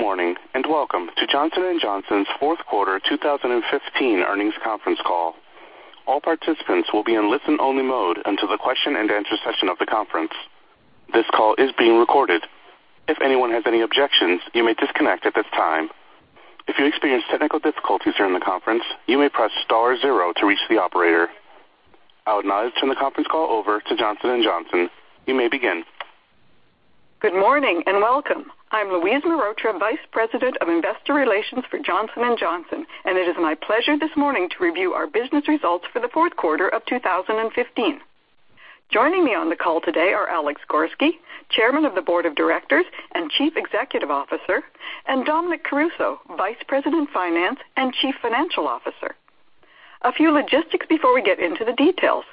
Good morning, welcome to Johnson & Johnson's fourth quarter 2015 earnings conference call. All participants will be in listen-only mode until the question and answer session of the conference. This call is being recorded. If anyone has any objections, you may disconnect at this time. If you experience technical difficulties during the conference, you may press star zero to reach the operator. I would now like to turn the conference call over to Johnson & Johnson. You may begin. Good morning, welcome. I'm Louise Mehrotra, Vice President of Investor Relations for Johnson & Johnson, it is my pleasure this morning to review our business results for the fourth quarter of 2015. Joining me on the call today are Alex Gorsky, Chairman of the Board of Directors and Chief Executive Officer, and Dominic Caruso, Vice President, Finance, and Chief Financial Officer. A few logistics before we get into the details.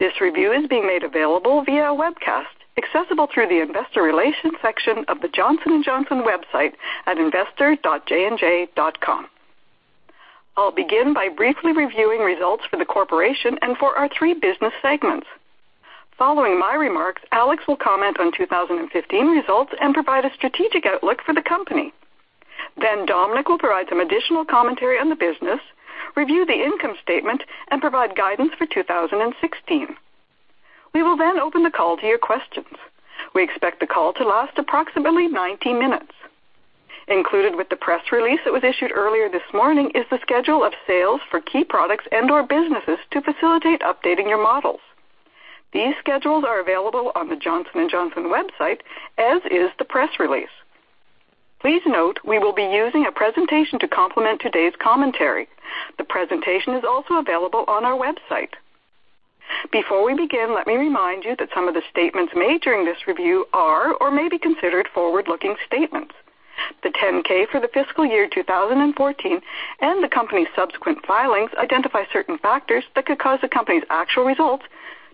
This review is being made available via a webcast, accessible through the investor relations section of the Johnson & Johnson website at investor.jnj.com. I'll begin by briefly reviewing results for the corporation and for our three business segments. Following my remarks, Alex will comment on 2015 results and provide a strategic outlook for the company. Dominic will provide some additional commentary on the business, review the income statement, and provide guidance for 2016. We will open the call to your questions. We expect the call to last approximately 90 minutes. Included with the press release that was issued earlier this morning is the schedule of sales for key products and/or businesses to facilitate updating your models. These schedules are available on the Johnson & Johnson website, as is the press release. Please note we will be using a presentation to complement today's commentary. The presentation is also available on our website. Before we begin, let me remind you that some of the statements made during this review are or may be considered forward-looking statements. The 10-K for the fiscal year 2014 and the company's subsequent filings identify certain factors that could cause the company's actual results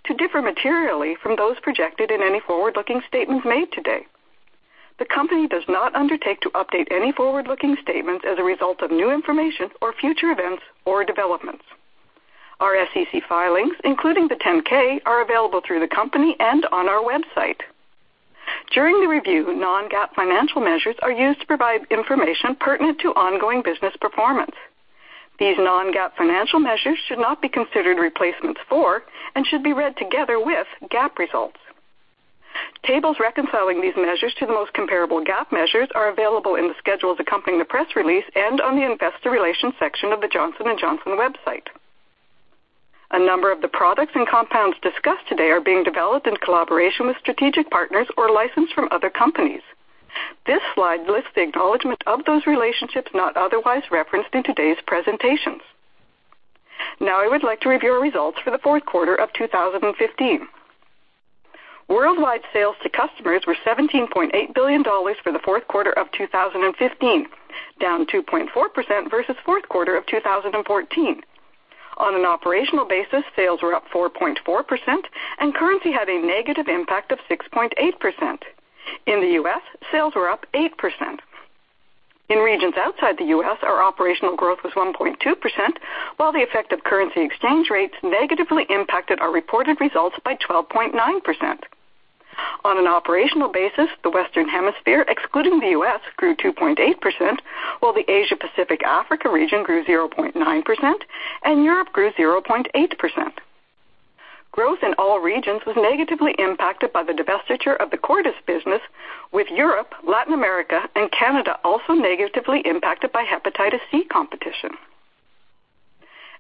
to differ materially from those projected in any forward-looking statements made today. The company does not undertake to update any forward-looking statements as a result of new information or future events or developments. Our SEC filings, including the 10-K, are available through the company and on our website. During the review, non-GAAP financial measures are used to provide information pertinent to ongoing business performance. These non-GAAP financial measures should not be considered replacements for and should be read together with GAAP results. Tables reconciling these measures to the most comparable GAAP measures are available in the schedules accompanying the press release and on the investor relations section of the Johnson & Johnson website. A number of the products and compounds discussed today are being developed in collaboration with strategic partners or licensed from other companies. This slide lists the acknowledgment of those relationships not otherwise referenced in today's presentations. Now I would like to review our results for the fourth quarter of 2015. Worldwide sales to customers were $17.8 billion for the fourth quarter of 2015, down 2.4% versus fourth quarter of 2014. On an operational basis, sales were up 4.4% and currency had a negative impact of 6.8%. In the U.S., sales were up 8%. In regions outside the U.S., our operational growth was 1.2%, while the effect of currency exchange rates negatively impacted our reported results by 12.9%. On an operational basis, the Western Hemisphere, excluding the U.S., grew 2.8%, while the Asia Pacific Africa region grew 0.9% and Europe grew 0.8%. Growth in all regions was negatively impacted by the divestiture of the Cordis business, with Europe, Latin America, and Canada also negatively impacted by hepatitis C competition.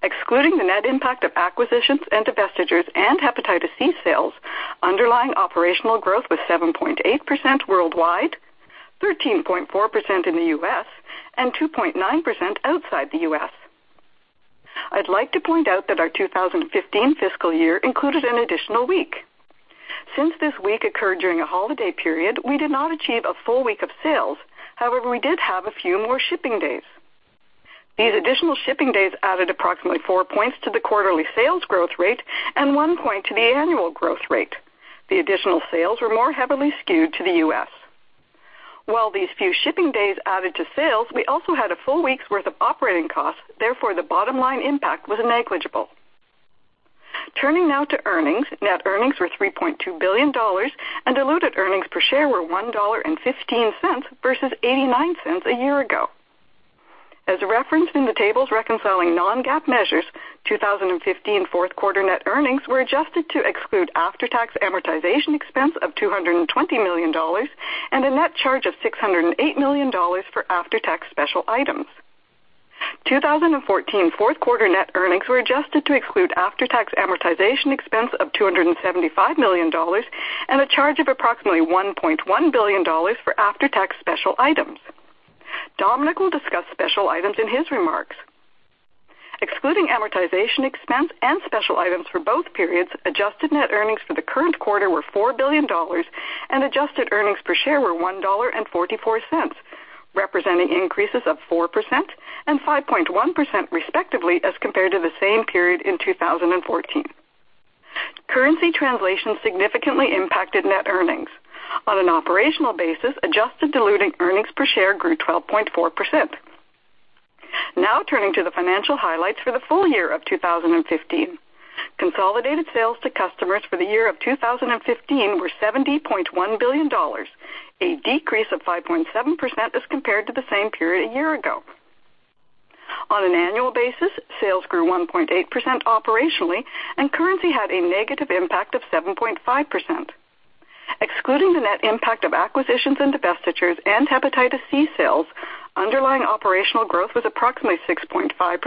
Excluding the net impact of acquisitions and divestitures and hepatitis C sales, underlying operational growth was 7.8% worldwide, 13.4% in the U.S., and 2.9% outside the U.S. I'd like to point out that our 2015 fiscal year included an additional week. Since this week occurred during a holiday period, we did not achieve a full week of sales. However, we did have a few more shipping days. These additional shipping days added approximately four points to the quarterly sales growth rate and one point to the annual growth rate. The additional sales were more heavily skewed to the U.S. While these few shipping days added to sales, we also had a full week's worth of operating costs. Therefore, the bottom-line impact was negligible. Turning now to earnings. Net earnings were $3.2 billion and diluted earnings per share were $1.15 versus $0.89 a year ago. As referenced in the tables reconciling non-GAAP measures, 2015 fourth quarter net earnings were adjusted to exclude after-tax amortization expense of $220 million and a net charge of $608 million for after-tax special items. 2014 fourth quarter net earnings were adjusted to exclude after-tax amortization expense of $275 million and a charge of approximately $1.1 billion for after-tax special items. Dominic will discuss special items in his remarks. Excluding amortization expense and special items for both periods, adjusted net earnings for the current quarter were $4 billion and adjusted earnings per share were $1.44, representing increases of 4% and 5.1%, respectively, as compared to the same period in 2014. Currency translation significantly impacted net earnings. On an operational basis, adjusted diluted earnings per share grew 12.4%. Now turning to the financial highlights for the full year of 2015. Consolidated sales to customers for the year of 2015 were $70.1 billion, a decrease of 5.7% as compared to the same period a year ago. On an annual basis, sales grew 1.8% operationally, and currency had a negative impact of 7.5%. Excluding the net impact of acquisitions and divestitures and hepatitis C sales, underlying operational growth was approximately 6.5%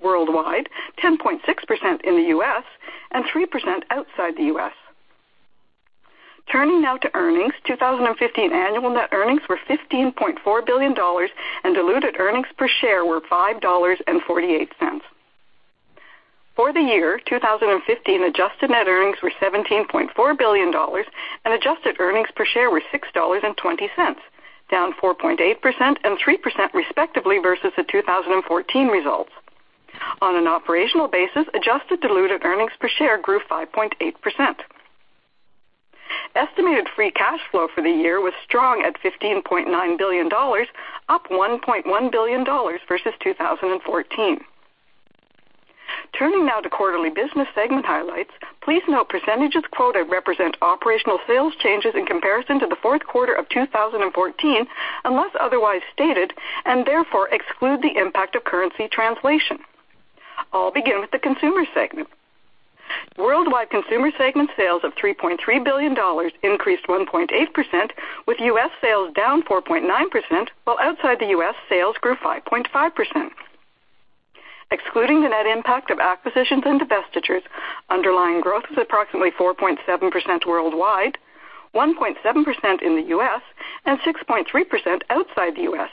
worldwide, 10.6% in the U.S., and 3% outside the U.S. Turning now to earnings. 2015 annual net earnings were $15.4 billion, and diluted earnings per share were $5.48. For the year 2015, adjusted net earnings were $17.4 billion and adjusted earnings per share were $6.20, down 4.8% and 3% respectively versus the 2014 results. On an operational basis, adjusted diluted earnings per share grew 5.8%. Estimated free cash flow for the year was strong at $15.9 billion, up $1.1 billion versus 2014. Turning now to quarterly business segment highlights. Please note percentages quoted represent operational sales changes in comparison to the fourth quarter of 2014, unless otherwise stated, and therefore exclude the impact of currency translation. I'll begin with the consumer segment. Worldwide consumer segment sales of $3.3 billion increased 1.8%, with U.S. sales down 4.9%, while outside the U.S., sales grew 5.5%. Excluding the net impact of acquisitions and divestitures, underlying growth was approximately 4.7% worldwide, 1.7% in the U.S., and 6.3% outside the U.S.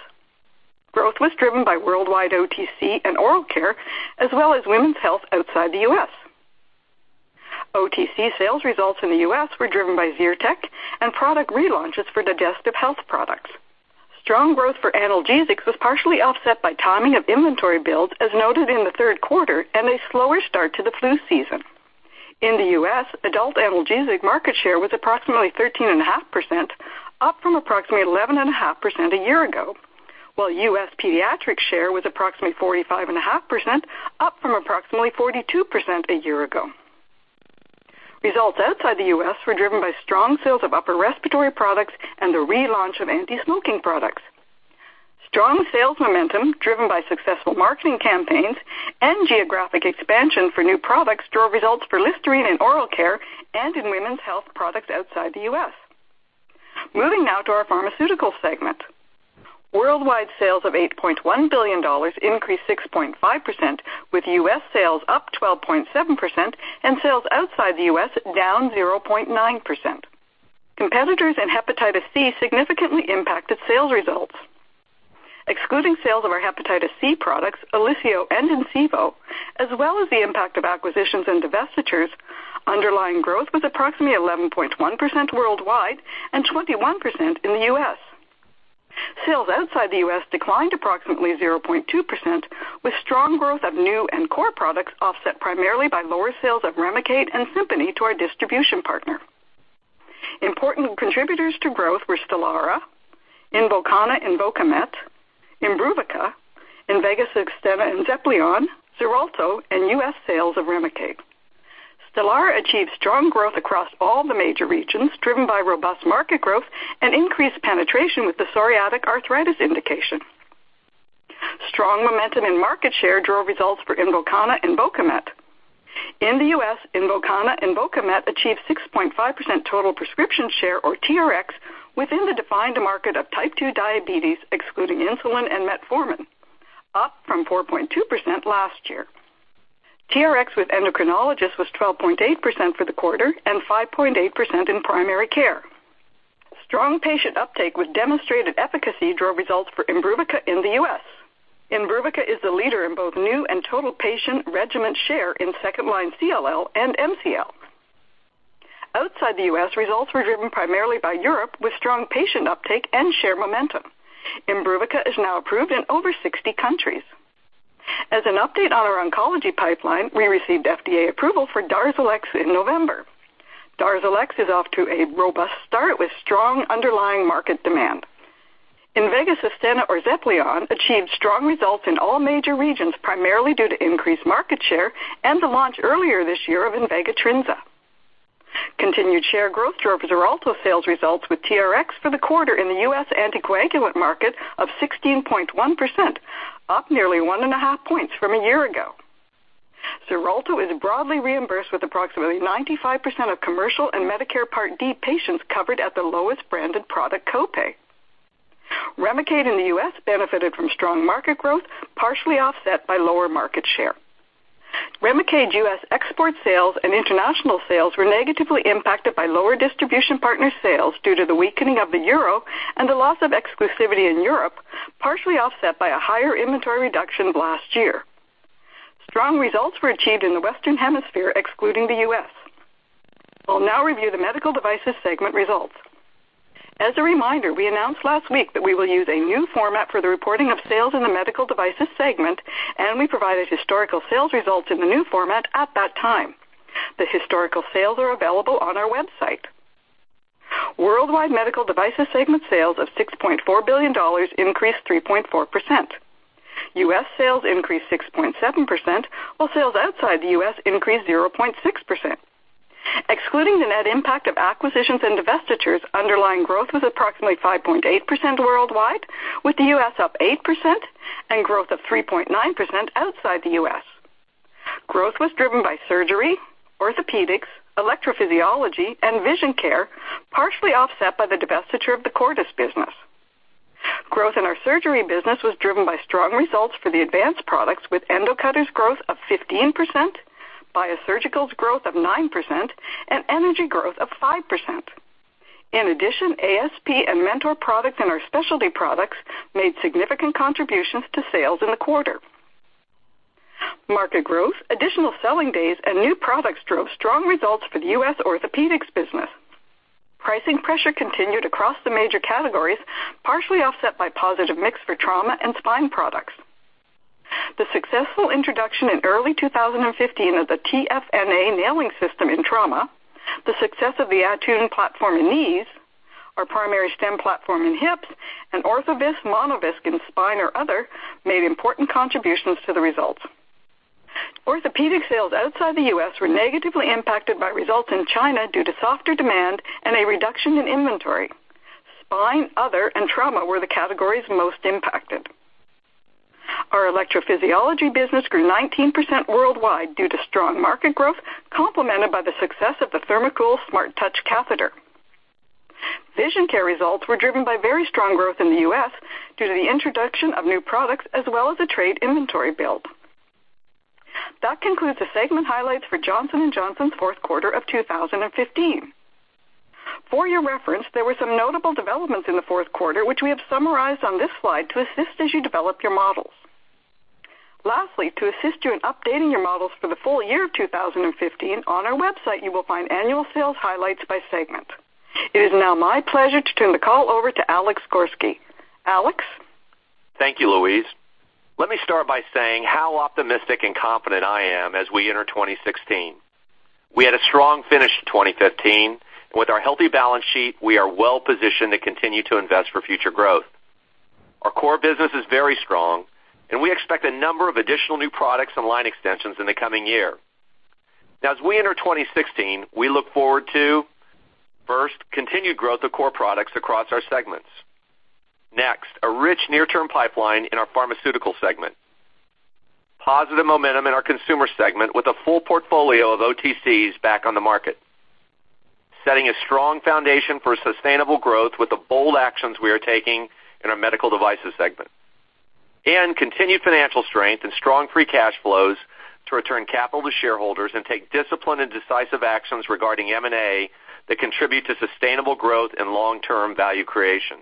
Growth was driven by worldwide OTC and oral care, as well as women's health outside the U.S. OTC sales results in the U.S. were driven by Zyrtec and product relaunches for digestive health products. Strong growth for analgesics was partially offset by timing of inventory builds, as noted in the third quarter, and a slower start to the flu season. In the U.S., adult analgesic market share was approximately 13.5%, up from approximately 11.5% a year ago, while U.S. pediatric share was approximately 45.5%, up from approximately 42% a year ago. Results outside the U.S. were driven by strong sales of upper respiratory products and the relaunch of anti-smoking products. Strong sales momentum driven by successful marketing campaigns and geographic expansion for new products drove results for Listerine in oral care and in women's health products outside the U.S. Moving now to our pharmaceutical segment. Worldwide sales of $8.1 billion increased 6.5%, with U.S. sales up 12.7% and sales outside the U.S. down 0.9%. Competitors in hepatitis C significantly impacted sales results. Excluding sales of our hepatitis C products, OLYSIO and INCIVO, as well as the impact of acquisitions and divestitures, underlying growth was approximately 11.1% worldwide and 21% in the U.S. Sales outside the U.S. declined approximately 0.2%, with strong growth of new and core products offset primarily by lower sales of REMICADE and SIMPONI to our distribution partner. Important contributors to growth were STELARA, INVOKANA and INVOKAMET, IMBRUVICA, INVEGA SUSTENNA and XEPLION, XARELTO, and U.S. sales of REMICADE. STELARA achieved strong growth across all the major regions, driven by robust market growth and increased penetration with the psoriatic arthritis indication. Strong momentum in market share drove results for INVOKANA and INVOKAMET. In the U.S., INVOKANA and INVOKAMET achieved 6.5% total prescription share or TRx within the defined market of type 2 diabetes, excluding insulin and metformin, up from 4.2% last year. TRx with endocrinologists was 12.8% for the quarter and 5.8% in primary care. Strong patient uptake with demonstrated efficacy drove results for IMBRUVICA in the U.S. IMBRUVICA is the leader in both new and total patient regimen share in second-line CLL and MCL. Outside the U.S., results were driven primarily by Europe, with strong patient uptake and share momentum. IMBRUVICA is now approved in over 60 countries. As an update on our oncology pipeline, we received FDA approval for DARZALEX in November. DARZALEX is off to a robust start with strong underlying market demand. INVEGA SUSTENNA or XEPLION achieved strong results in all major regions, primarily due to increased market share and the launch earlier this year of INVEGA TRINZA. Continued share growth drove XARELTO sales results with TRx for the quarter in the U.S. anticoagulant market of 16.1%, up nearly one and a half points from a year ago. XARELTO is broadly reimbursed with approximately 95% of commercial and Medicare Part D patients covered at the lowest branded product copay. REMICADE in the U.S. benefited from strong market growth, partially offset by lower market share. REMICADE U.S. export sales and international sales were negatively impacted by lower distribution partner sales due to the weakening of the euro and the loss of exclusivity in Europe, partially offset by a higher inventory reduction last year. Strong results were achieved in the Western Hemisphere, excluding the U.S. I'll now review the Medical Devices segment results. As a reminder, we announced last week that we will use a new format for the reporting of sales in the Medical Devices segment, and we provided historical sales results in the new format at that time. The historical sales are available on our website. Worldwide Medical Devices segment sales of $6.4 billion increased 3.4%. U.S. sales increased 6.7%, while sales outside the U.S. increased 0.6%. Excluding the net impact of acquisitions and divestitures, underlying growth was approximately 5.8% worldwide, with the U.S. up 8% and growth of 3.9% outside the U.S. Growth was driven by surgery, orthopedics, electrophysiology and vision care, partially offset by the divestiture of the Cordis business. Growth in our surgery business was driven by strong results for the advanced products, with endo cutters growth of 15%, biosurgicals growth of 9% and energy growth of 5%. In addition, ASP and Mentor products and our specialty products made significant contributions to sales in the quarter. Market growth, additional selling days and new products drove strong results for the U.S. orthopedics business. Pricing pressure continued across the major categories, partially offset by positive mix for trauma and spine products. The successful introduction in early 2015 of the TFNA nailing system in trauma, the success of the ATTUNE platform in knees, our primary stem platform in hips, and ORTHOVISC, MONOVISC in spine or other, made important contributions to the results. Orthopedic sales outside the U.S. were negatively impacted by results in China due to softer demand and a reduction in inventory. Spine, other and trauma were the categories most impacted. Our electrophysiology business grew 19% worldwide due to strong market growth, complemented by the success of the THERMOCOOL SMARTTOUCH catheter. Vision care results were driven by very strong growth in the U.S. due to the introduction of new products as well as a trade inventory build. That concludes the segment highlights for Johnson & Johnson's fourth quarter of 2015. For your reference, there were some notable developments in the fourth quarter, which we have summarized on this slide to assist as you develop your models. Lastly, to assist you in updating your models for the full year of 2015, on our website, you will find annual sales highlights by segment. It is now my pleasure to turn the call over to Alex Gorsky. Alex? Thank you, Louise. Let me start by saying how optimistic and confident I am as we enter 2016. We had a strong finish to 2015. With our healthy balance sheet, we are well positioned to continue to invest for future growth. Our core business is very strong, and we expect a number of additional new products and line extensions in the coming year. As we enter 2016, we look forward to, first, continued growth of core products across our segments. Next, a rich near-term pipeline in our pharmaceutical segment. Positive momentum in our consumer segment with a full portfolio of OTCs back on the market. Setting a strong foundation for sustainable growth with the bold actions we are taking in our medical devices segment. Continued financial strength and strong free cash flows to return capital to shareholders and take disciplined and decisive actions regarding M&A that contribute to sustainable growth and long-term value creation.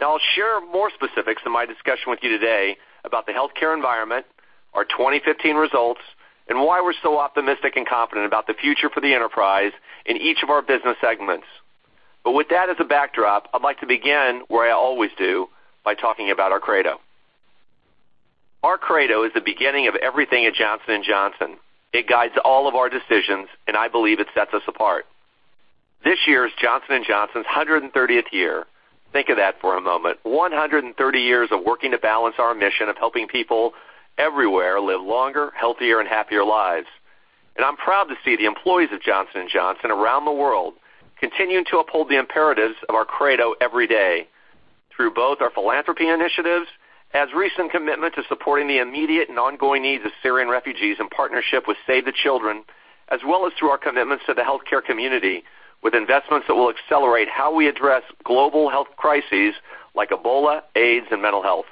I'll share more specifics in my discussion with you today about the healthcare environment, our 2015 results, and why we're so optimistic and confident about the future for the enterprise in each of our business segments. With that as a backdrop, I'd like to begin where I always do, by talking about our credo. Our credo is the beginning of everything at Johnson & Johnson. It guides all of our decisions, and I believe it sets us apart. This year is Johnson & Johnson's 130th year. Think of that for a moment. 130 years of working to balance our mission of helping people everywhere live longer, healthier and happier lives. I'm proud to see the employees of Johnson & Johnson around the world continuing to uphold the imperatives of our credo every day through both our philanthropy initiatives, as recent commitment to supporting the immediate and ongoing needs of Syrian refugees in partnership with Save the Children, as well as through our commitments to the healthcare community with investments that will accelerate how we address global health crises like Ebola, AIDS, and mental health.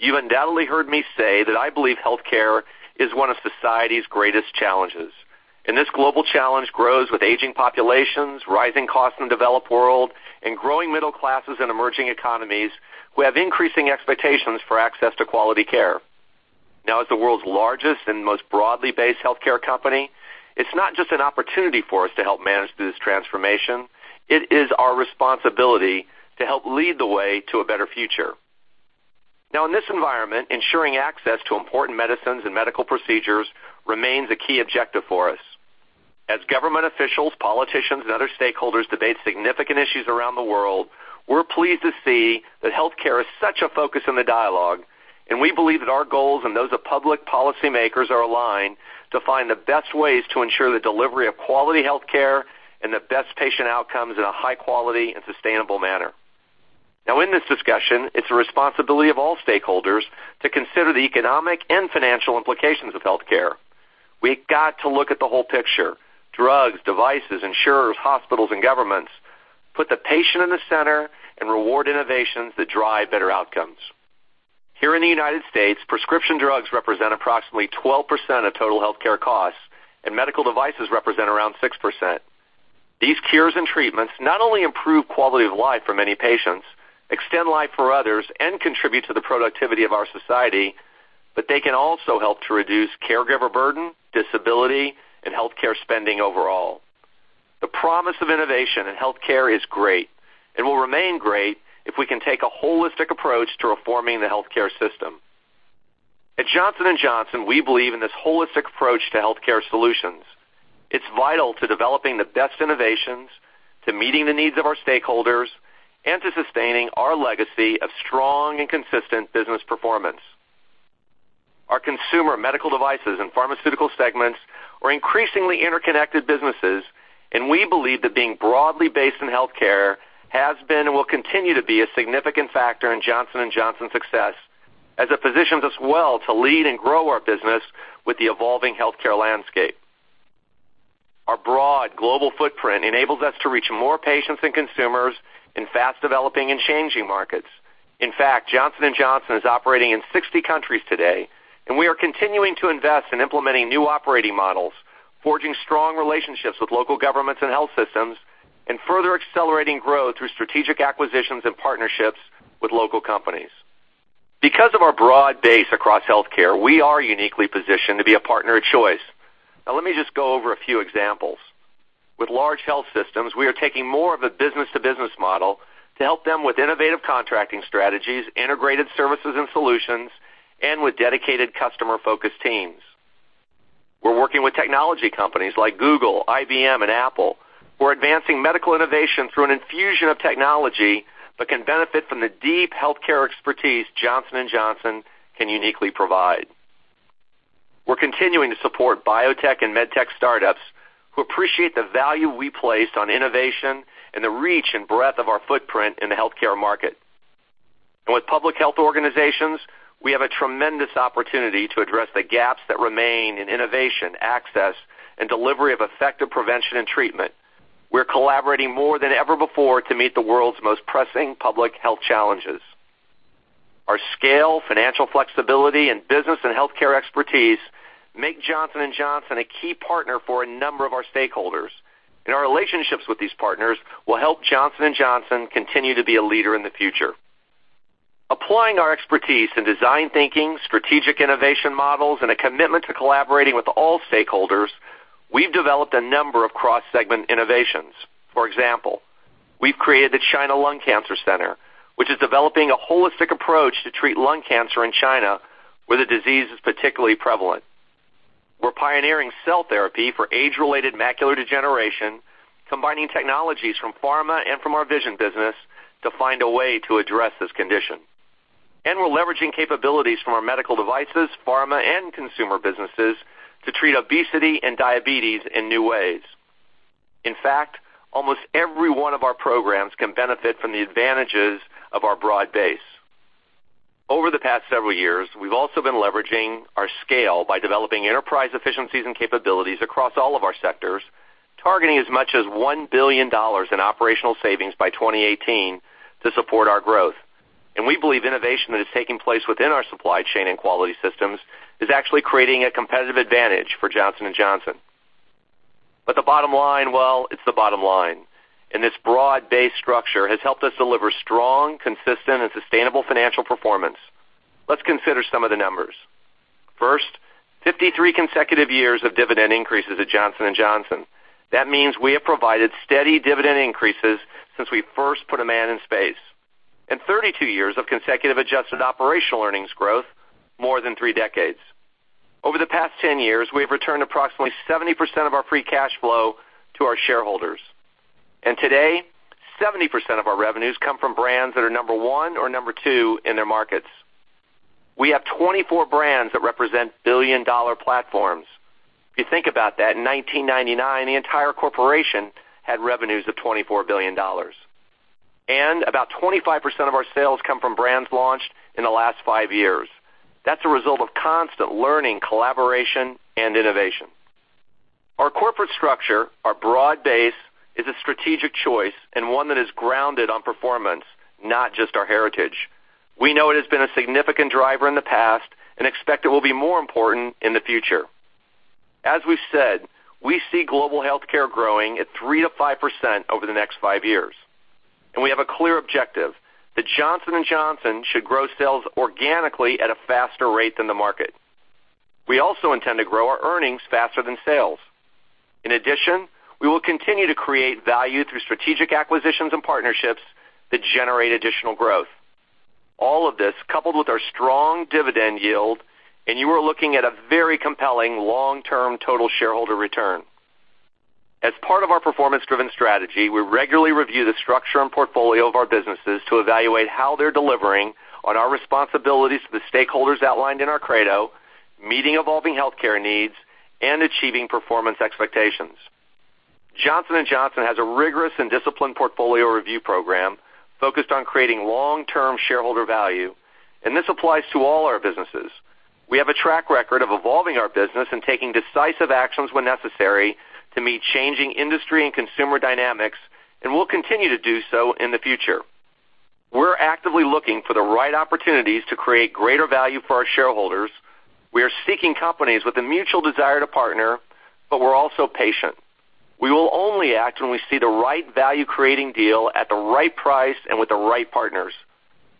You undoubtedly heard me say that I believe healthcare is one of society's greatest challenges, and this global challenge grows with aging populations, rising costs in the developed world, and growing middle classes in emerging economies who have increasing expectations for access to quality care. As the world's largest and most broadly based healthcare company, it's not just an opportunity for us to help manage through this transformation. It is our responsibility to help lead the way to a better future. In this environment, ensuring access to important medicines and medical procedures remains a key objective for us. As government officials, politicians and other stakeholders debate significant issues around the world, we're pleased to see that healthcare is such a focus in the dialogue, and we believe that our goals and those of public policymakers are aligned to find the best ways to ensure the delivery of quality healthcare and the best patient outcomes in a high quality and sustainable manner. In this discussion, it's the responsibility of all stakeholders to consider the economic and financial implications of healthcare. We got to look at the whole picture. Drugs, devices, insurers, hospitals and governments. Put the patient in the center and reward innovations that drive better outcomes. Here in the U.S., prescription drugs represent approximately 12% of total healthcare costs, and medical devices represent around 6%. These cures and treatments not only improve quality of life for many patients, extend life for others, and contribute to the productivity of our society, but they can also help to reduce caregiver burden, disability, and healthcare spending overall. The promise of innovation in healthcare is great and will remain great if we can take a holistic approach to reforming the healthcare system. At Johnson & Johnson, we believe in this holistic approach to healthcare solutions. It's vital to developing the best innovations, to meeting the needs of our stakeholders, and to sustaining our legacy of strong and consistent business performance. Our consumer medical devices and pharmaceutical segments are increasingly interconnected businesses. We believe that being broadly based in healthcare has been and will continue to be a significant factor in Johnson & Johnson's success, as it positions us well to lead and grow our business with the evolving healthcare landscape. Our broad global footprint enables us to reach more patients and consumers in fast developing and changing markets. In fact, Johnson & Johnson is operating in 60 countries today. We are continuing to invest in implementing new operating models, forging strong relationships with local governments and health systems, and further accelerating growth through strategic acquisitions and partnerships with local companies. Because of our broad base across healthcare, we are uniquely positioned to be a partner of choice. Now let me just go over a few examples. With large health systems, we are taking more of a business-to-business model to help them with innovative contracting strategies, integrated services and solutions, and with dedicated customer-focused teams. We're working with technology companies like Google, IBM, and Apple, who are advancing medical innovation through an infusion of technology but can benefit from the deep healthcare expertise Johnson & Johnson can uniquely provide. We're continuing to support biotech and med tech startups who appreciate the value we place on innovation and the reach and breadth of our footprint in the healthcare market. With public health organizations, we have a tremendous opportunity to address the gaps that remain in innovation, access, and delivery of effective prevention and treatment. We're collaborating more than ever before to meet the world's most pressing public health challenges. Our scale, financial flexibility, and business and healthcare expertise make Johnson & Johnson a key partner for a number of our stakeholders. Our relationships with these partners will help Johnson & Johnson continue to be a leader in the future. Applying our expertise in design thinking, strategic innovation models, and a commitment to collaborating with all stakeholders, we've developed a number of cross-segment innovations. For example, we've created the China Lung Cancer Center, which is developing a holistic approach to treat lung cancer in China, where the disease is particularly prevalent. We're pioneering cell therapy for age-related macular degeneration, combining technologies from pharma and from our vision business to find a way to address this condition. We're leveraging capabilities from our medical devices, pharma, and consumer businesses to treat obesity and diabetes in new ways. In fact, almost every one of our programs can benefit from the advantages of our broad base. Over the past several years, we've also been leveraging our scale by developing enterprise efficiencies and capabilities across all of our sectors, targeting as much as $1 billion in operational savings by 2018 to support our growth. We believe innovation that is taking place within our supply chain and quality systems is actually creating a competitive advantage for Johnson & Johnson. The bottom line, well, it's the bottom line. This broad base structure has helped us deliver strong, consistent, and sustainable financial performance. Let's consider some of the numbers. First, 53 consecutive years of dividend increases at Johnson & Johnson. That means we have provided steady dividend increases since we first put a man in space. 32 years of consecutive adjusted operational earnings growth, more than three decades. Over the past 10 years, we have returned approximately 70% of our free cash flow to our shareholders. Today, 70% of our revenues come from brands that are number 1 or number 2 in their markets. We have 24 brands that represent billion-dollar platforms. If you think about that, in 1999, the entire corporation had revenues of $24 billion. About 25% of our sales come from brands launched in the last five years. That's a result of constant learning, collaboration, and innovation. Our corporate structure, our broad base, is a strategic choice and one that is grounded on performance, not just our heritage. We know it has been a significant driver in the past and expect it will be more important in the future. As we've said, we see global healthcare growing at 3%-5% over the next five years. We have a clear objective that Johnson & Johnson should grow sales organically at a faster rate than the market. We also intend to grow our earnings faster than sales. In addition, we will continue to create value through strategic acquisitions and partnerships that generate additional growth. All of this, coupled with our strong dividend yield, you are looking at a very compelling long-term total shareholder return. As part of our performance-driven strategy, we regularly review the structure and portfolio of our businesses to evaluate how they're delivering on our responsibilities to the stakeholders outlined in our credo, meeting evolving healthcare needs, and achieving performance expectations. Johnson & Johnson has a rigorous and disciplined portfolio review program focused on creating long-term shareholder value. This applies to all our businesses. We have a track record of evolving our business and taking decisive actions when necessary to meet changing industry and consumer dynamics. We'll continue to do so in the future. We're actively looking for the right opportunities to create greater value for our shareholders. We are seeking companies with a mutual desire to partner. We're also patient. We will only act when we see the right value-creating deal at the right price and with the right partners.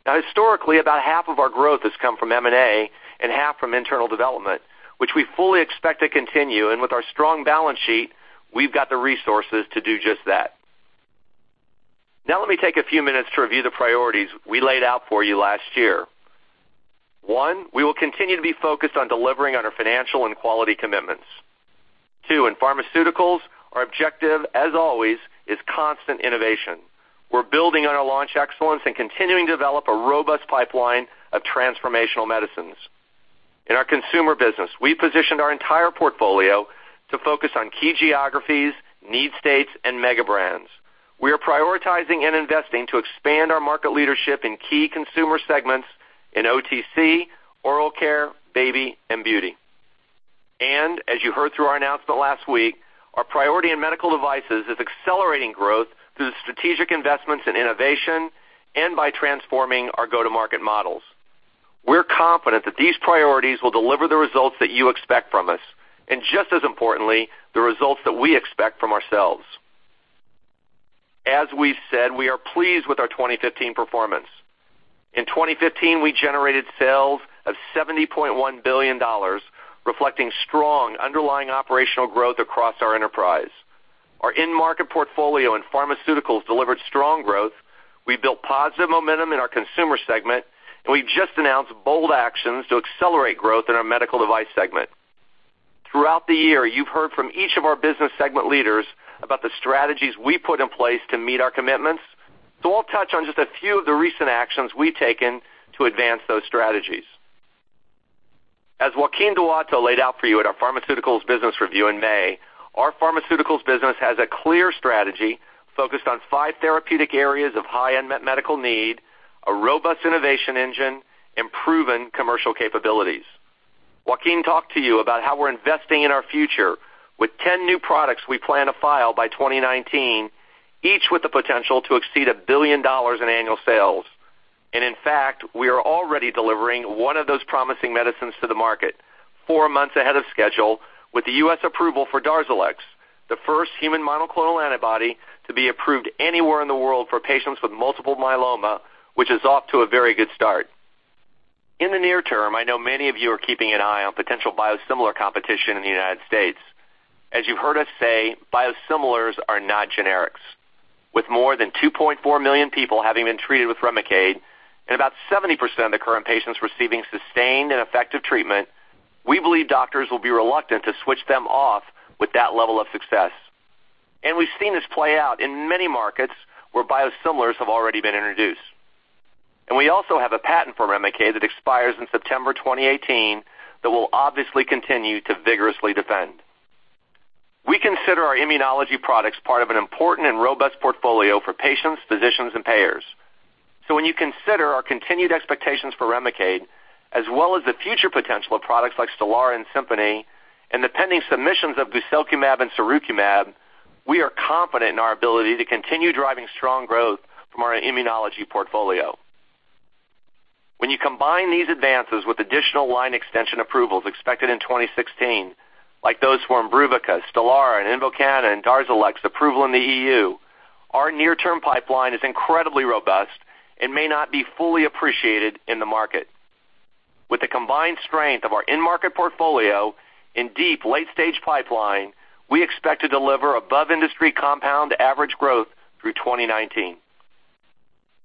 Historically, about half of our growth has come from M&A and half from internal development, which we fully expect to continue. With our strong balance sheet, we've got the resources to do just that. Let me take a few minutes to review the priorities we laid out for you last year. One, we will continue to be focused on delivering on our financial and quality commitments. Two, in Pharmaceuticals, our objective, as always, is constant innovation. We're building on our launch excellence and continuing to develop a robust pipeline of transformational medicines. In our Consumer business, we positioned our entire portfolio to focus on key geographies, need states, and mega brands. We are prioritizing and investing to expand our market leadership in key consumer segments in OTC, oral care, baby, and beauty. As you heard through our announcement last week, our priority in Medical Devices is accelerating growth through strategic investments in innovation and by transforming our go-to-market models. We're confident that these priorities will deliver the results that you expect from us, and just as importantly, the results that we expect from ourselves. As we've said, we are pleased with our 2015 performance. In 2015, we generated sales of $70.1 billion, reflecting strong underlying operational growth across our enterprise. Our end market portfolio in Pharmaceuticals delivered strong growth. We built positive momentum in our Consumer segment, and we've just announced bold actions to accelerate growth in our Medical Device segment. Throughout the year, you've heard from each of our business segment leaders about the strategies we put in place to meet our commitments. I'll touch on just a few of the recent actions we've taken to advance those strategies. As Joaquin Duato laid out for you at our Pharmaceuticals business review in May, our Pharmaceuticals business has a clear strategy focused on five therapeutic areas of high unmet medical need, a robust innovation engine, and proven commercial capabilities. Joaquin talked to you about how we're investing in our future with 10 new products we plan to file by 2019, each with the potential to exceed $1 billion in annual sales. In fact, we are already delivering one of those promising medicines to the market, four months ahead of schedule, with the U.S. approval for DARZALEX, the first human monoclonal antibody to be approved anywhere in the world for patients with multiple myeloma, which is off to a very good start. In the near term, I know many of you are keeping an eye on potential biosimilar competition in the United States. As you've heard us say, biosimilars are not generics. With more than 2.4 million people having been treated with REMICADE, and about 70% of the current patients receiving sustained and effective treatment, we believe doctors will be reluctant to switch them off with that level of success. We've seen this play out in many markets where biosimilars have already been introduced. We also have a patent for REMICADE that expires in September 2018 that we'll obviously continue to vigorously defend. We consider our immunology products part of an important and robust portfolio for patients, physicians, and payers. When you consider our continued expectations for REMICADE, as well as the future potential of products like STELARA and SIMPONI, and the pending submissions of guselkumab and sirukumab, we are confident in our ability to continue driving strong growth from our immunology portfolio. When you combine these advances with additional line extension approvals expected in 2016, like those for IMBRUVICA, STELARA, and INVOKANA, and DARZALEX approval in the EU, our near-term pipeline is incredibly robust and may not be fully appreciated in the market. With the combined strength of our end-market portfolio and deep late-stage pipeline, we expect to deliver above-industry compound average growth through 2019.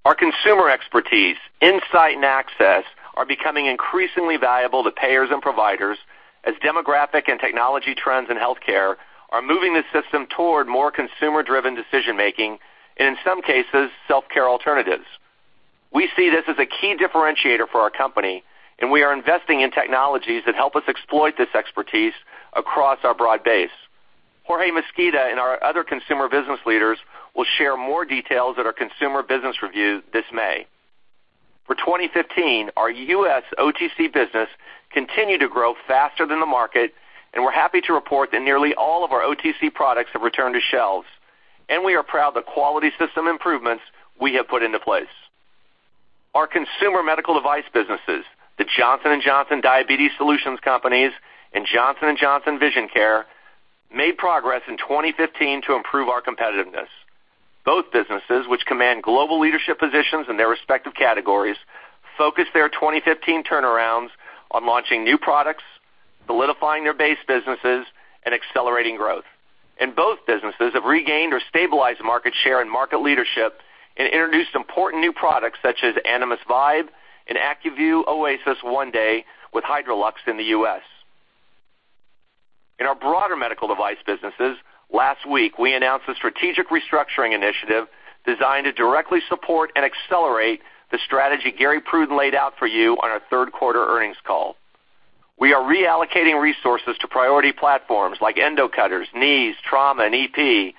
Our consumer expertise, insight, and access are becoming increasingly valuable to payers and providers as demographic and technology trends in healthcare are moving the system toward more consumer-driven decision making and, in some cases, self-care alternatives. We see this as a key differentiator for our company, and we are investing in technologies that help us exploit this expertise across our broad base. Jorge Mesquita and our other Consumer business leaders will share more details at our Consumer business review this May. For 2015, our U.S. OTC business continued to grow faster than the market, and we're happy to report that nearly all of our OTC products have returned to shelves, and we are proud of the quality system improvements we have put into place. Our consumer medical device businesses, the Johnson & Johnson Diabetes Solutions companies and Johnson & Johnson Vision Care, made progress in 2015 to improve our competitiveness. Both businesses, which command global leadership positions in their respective categories, focused their 2015 turnarounds on launching new products, solidifying their base businesses, and accelerating growth. Both businesses have regained or stabilized market share and market leadership and introduced important new products such as Animas Vibe and ACUVUE OASYS 1-DAY with HydraLuxe in the U.S. In our broader Medical Device businesses, last week, we announced a strategic restructuring initiative designed to directly support and accelerate the strategy Gary Pruden laid out for you on our third quarter earnings call. We are reallocating resources to priority platforms like endocutters, knees, trauma, and EP.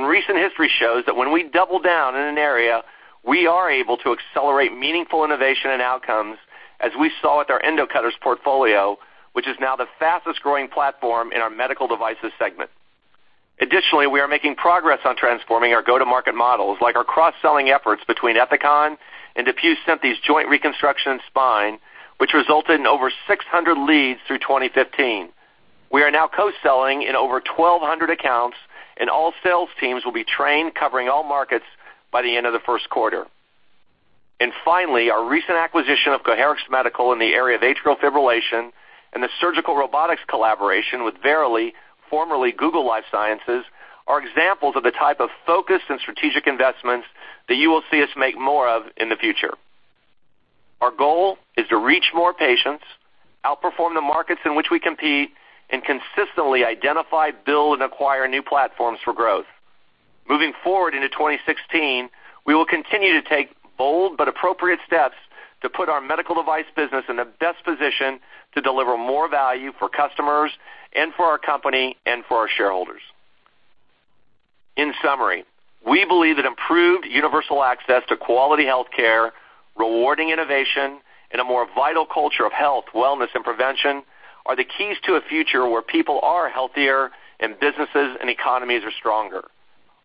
Recent history shows that when we double down in an area, we are able to accelerate meaningful innovation and outcomes, as we saw with our endocutters portfolio, which is now the fastest-growing platform in our Medical Devices segment. Additionally, we are making progress on transforming our go-to-market models, like our cross-selling efforts between Ethicon and DePuy Synthes Joint Reconstruction and Spine, which resulted in over 600 leads through 2015. We are now co-selling in over 1,200 accounts, and all sales teams will be trained covering all markets by the end of the first quarter. Finally, our recent acquisition of Coherex Medical in the area of atrial fibrillation and the surgical robotics collaboration with Verily, formerly Google Life Sciences, are examples of the type of focus and strategic investments that you will see us make more of in the future. Our goal is to reach more patients, outperform the markets in which we compete, and consistently identify, build, and acquire new platforms for growth. Moving forward into 2016, we will continue to take bold but appropriate steps to put our medical device business in the best position to deliver more value for customers and for our company and for our shareholders. In summary, we believe that improved universal access to quality healthcare, rewarding innovation, and a more vital culture of health, wellness, and prevention are the keys to a future where people are healthier and businesses and economies are stronger.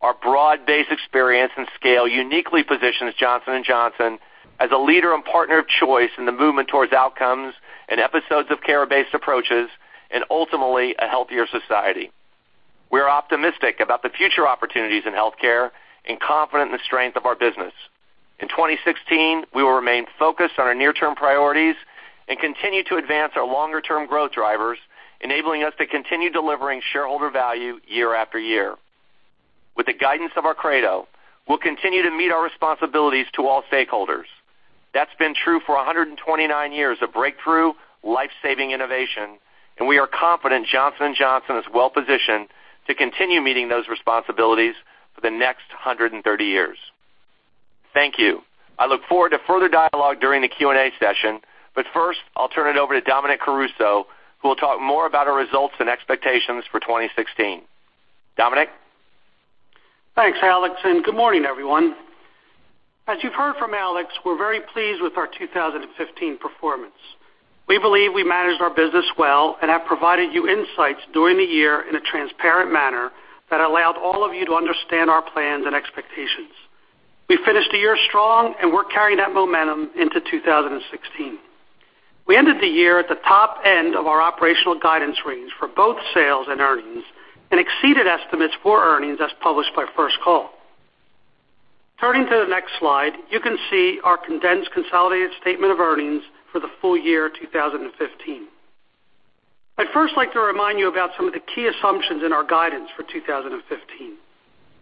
Our broad-based experience and scale uniquely positions Johnson & Johnson as a leader and partner of choice in the movement towards outcomes and episodes of care-based approaches and ultimately a healthier society. We are optimistic about the future opportunities in healthcare and confident in the strength of our business. In 2016, we will remain focused on our near-term priorities and continue to advance our longer-term growth drivers, enabling us to continue delivering shareholder value year after year. With the guidance of our credo, we'll continue to meet our responsibilities to all stakeholders. That's been true for 129 years of breakthrough life-saving innovation, and we are confident Johnson & Johnson is well-positioned to continue meeting those responsibilities for the next 130 years. Thank you. I look forward to further dialogue during the Q&A session, but first, I'll turn it over to Dominic Caruso, who will talk more about our results and expectations for 2016. Dominic? Thanks, Alex. Good morning, everyone. As you've heard from Alex, we're very pleased with our 2015 performance. We believe we managed our business well and have provided you insights during the year in a transparent manner that allowed all of you to understand our plans and expectations. We finished the year strong. We're carrying that momentum into 2016. We ended the year at the top end of our operational guidance range for both sales and earnings. Exceeded estimates for earnings as published by First Call. Turning to the next slide, you can see our condensed consolidated statement of earnings for the full year 2015. I'd first like to remind you about some of the key assumptions in our guidance for 2015.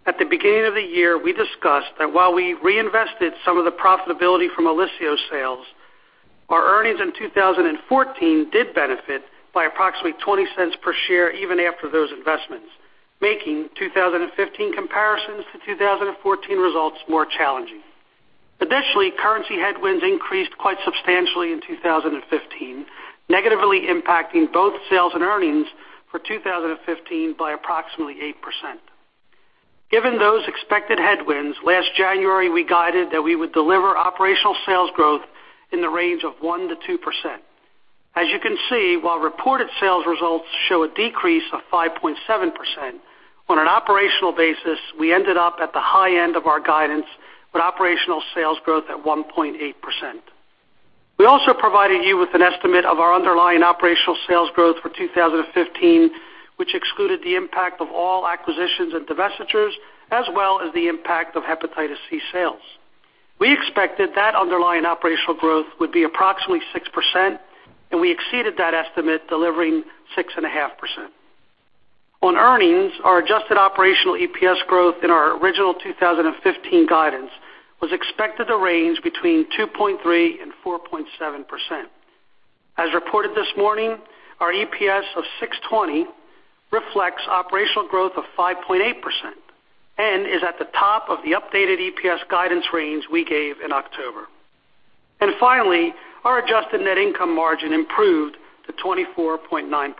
At the beginning of the year, we discussed that while we reinvested some of the profitability from OLYSIO sales, our earnings in 2014 did benefit by approximately $0.20 per share even after those investments, making 2015 comparisons to 2014 results more challenging. Currency headwinds increased quite substantially in 2015, negatively impacting both sales and earnings for 2015 by approximately 8%. Given those expected headwinds, last January, we guided that we would deliver operational sales growth in the range of 1%-2%. You can see, while reported sales results show a decrease of 5.7%, on an operational basis, we ended up at the high end of our guidance with operational sales growth at 1.8%. We also provided you with an estimate of our underlying operational sales growth for 2015, which excluded the impact of all acquisitions and divestitures, as well as the impact of hepatitis C sales. We expected that underlying operational growth would be approximately 6%. We exceeded that estimate, delivering 6.5%. On earnings, our adjusted operational EPS growth in our original 2015 guidance was expected to range between 2.3%-4.7%. As reported this morning, our EPS of $6.20 reflects operational growth of 5.8% and is at the top of the updated EPS guidance range we gave in October. Finally, our adjusted net income margin improved to 24.9%.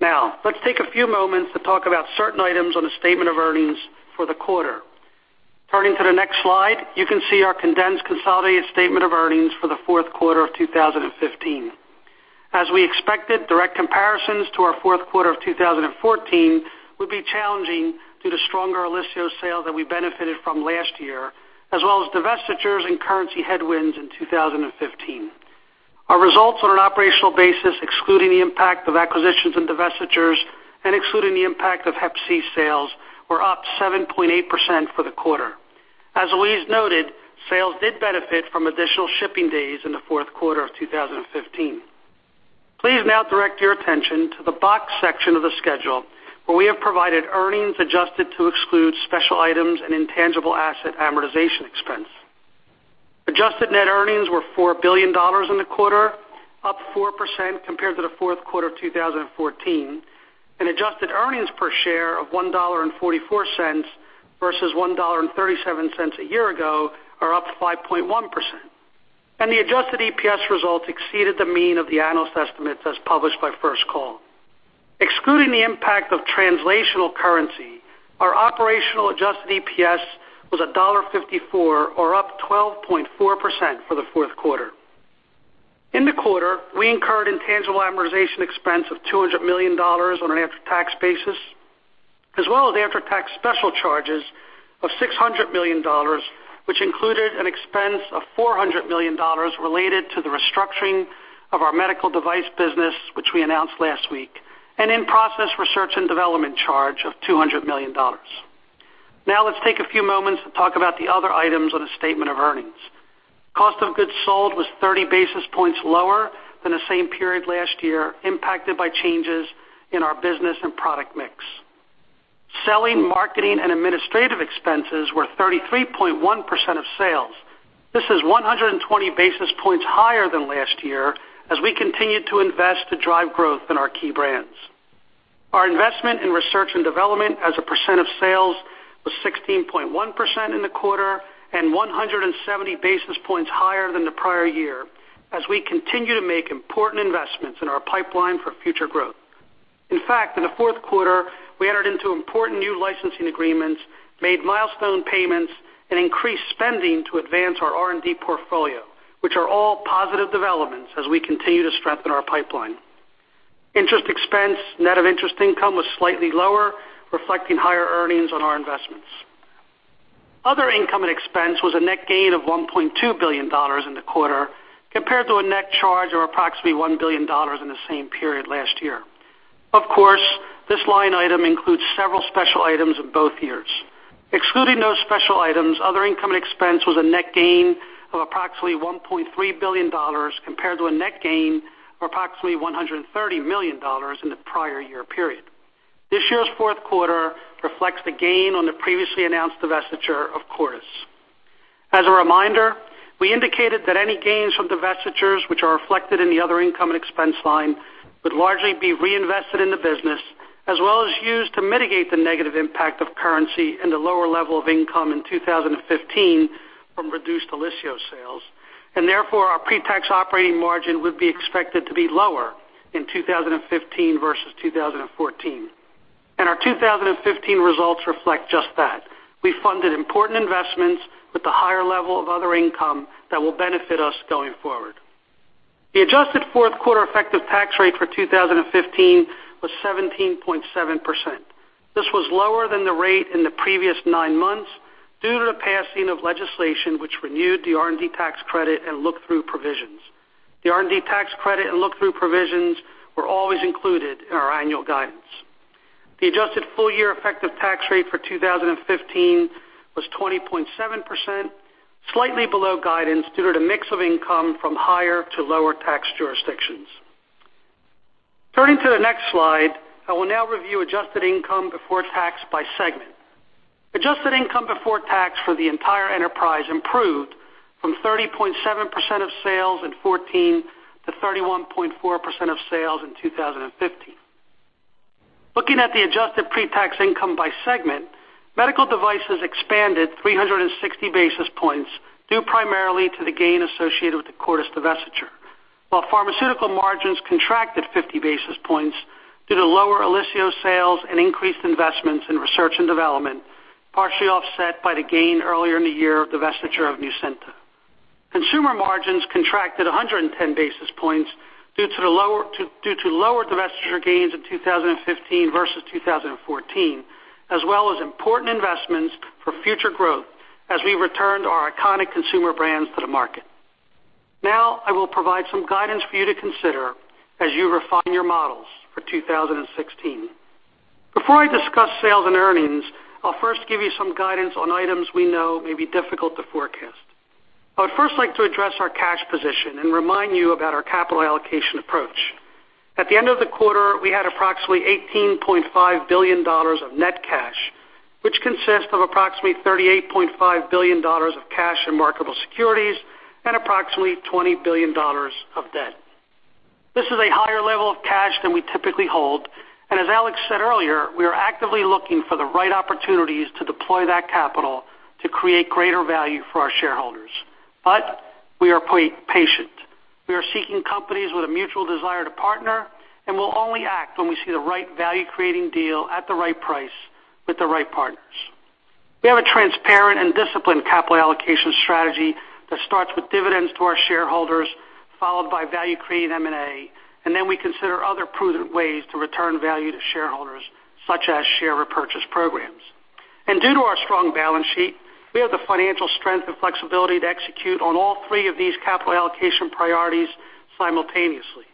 Now, let's take a few moments to talk about certain items on the statement of earnings for the quarter. Turning to the next slide, you can see our condensed consolidated statement of earnings for the fourth quarter of 2015. We expected, direct comparisons to our fourth quarter of 2014 would be challenging due to stronger OLYSIO sales that we benefited from last year, as well as divestitures and currency headwinds in 2015. Our results on an operational basis, excluding the impact of acquisitions and divestitures and excluding the impact of hep C sales, were up 7.8% for the quarter. As Louise noted, sales did benefit from additional shipping days in the fourth quarter of 2015. Please now direct your attention to the box section of the schedule, where we have provided earnings adjusted to exclude special items and intangible asset amortization expense. Adjusted net earnings were $4 billion in the quarter, up 4% compared to the fourth quarter of 2014, and adjusted earnings per share of $1.44 versus $1.37 a year ago are up 5.1%. The adjusted EPS results exceeded the mean of the analyst estimates as published by First Call. Excluding the impact of translational currency, our operational adjusted EPS was $1.54, or up 12.4% for the fourth quarter. In the quarter, we incurred intangible amortization expense of $200 million on an after-tax basis, as well as after-tax special charges of $600 million, which included an expense of $400 million related to the restructuring of our medical device business, which we announced last week. In-process research and development charge of $200 million. Now let's take a few moments to talk about the other items on the statement of earnings. Cost of goods sold was 30 basis points lower than the same period last year, impacted by changes in our business and product mix. Selling, marketing, and administrative expenses were 33.1% of sales. This is 120 basis points higher than last year, as we continued to invest to drive growth in our key brands. Our investment in research and development as a percent of sales was 16.1% in the quarter, 170 basis points higher than the prior year, as we continue to make important investments in our pipeline for future growth. In fact, in the fourth quarter, we entered into important new licensing agreements, made milestone payments, and increased spending to advance our R&D portfolio, which are all positive developments as we continue to strengthen our pipeline. Interest expense net of interest income was slightly lower, reflecting higher earnings on our investments. Other income and expense was a net gain of $1.2 billion in the quarter, compared to a net charge of approximately $1 billion in the same period last year. Of course, this line item includes several special items in both years. Excluding those special items, other income and expense was a net gain of approximately $1.3 billion, compared to a net gain of approximately $130 million in the prior year period. This year's fourth quarter reflects the gain on the previously announced divestiture of Cordis. As a reminder, we indicated that any gains from divestitures which are reflected in the other income and expense line would largely be reinvested in the business as well as used to mitigate the negative impact of currency and the lower level of income in 2015 from reduced OLYSIO sales. Therefore, our pre-tax operating margin would be expected to be lower in 2015 versus 2014. Our 2015 results reflect just that. We funded important investments with the higher level of other income that will benefit us going forward. The adjusted fourth quarter effective tax rate for 2015 was 17.7%. This was lower than the rate in the previous nine months due to the passing of legislation which renewed the R&D tax credit and look-through provisions. The R&D tax credit and look-through provisions were always included in our annual guidance. The adjusted full year effective tax rate for 2015 was 20.7%, slightly below guidance due to the mix of income from higher to lower tax jurisdictions. Turning to the next slide, I will now review adjusted income before tax by segment. Adjusted income before tax for the entire enterprise improved from 30.7% of sales in 2014 to 31.4% of sales in 2015. Looking at the adjusted pre-tax income by segment, medical devices expanded 360 basis points, due primarily to the gain associated with the Cordis divestiture, while pharmaceutical margins contracted 50 basis points due to lower OLYSIO sales and increased investments in research and development, partially offset by the gain earlier in the year of divestiture of NUCYNTA. Consumer margins contracted 110 basis points due to lower divestiture gains in 2015 versus 2014, as well as important investments for future growth as we returned our iconic consumer brands to the market. I will provide some guidance for you to consider as you refine your models for 2016. Before I discuss sales and earnings, I'll first give you some guidance on items we know may be difficult to forecast. I would first like to address our cash position and remind you about our capital allocation approach. At the end of the quarter, we had approximately $18.5 billion of net cash, which consists of approximately $38.5 billion of cash and marketable securities and approximately $20 billion of debt. This is a higher level of cash than we typically hold, as Alex said earlier, we are actively looking for the right opportunities to deploy that capital to create greater value for our shareholders. We are patient. We are seeking companies with a mutual desire to partner, and we'll only act when we see the right value-creating deal at the right price with the right partners. We have a transparent and disciplined capital allocation strategy that starts with dividends to our shareholders, followed by value-creating M&A, we consider other prudent ways to return value to shareholders, such as share repurchase programs. Due to our strong balance sheet, we have the financial strength and flexibility to execute on all three of these capital allocation priorities simultaneously.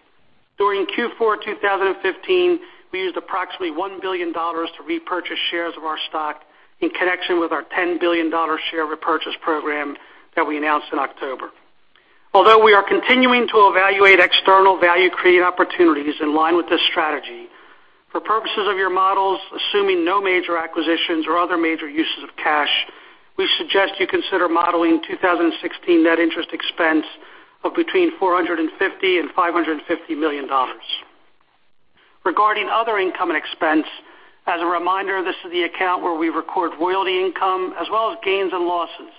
During Q4 2015, we used approximately $1 billion to repurchase shares of our stock in connection with our $10 billion share repurchase program that we announced in October. Although we are continuing to evaluate external value-creating opportunities in line with this strategy, for purposes of your models, assuming no major acquisitions or other major uses of cash, we suggest you consider modeling 2016 net interest expense of between $450 million and $550 million. Regarding other income and expense, as a reminder, this is the account where we record royalty income as well as gains and losses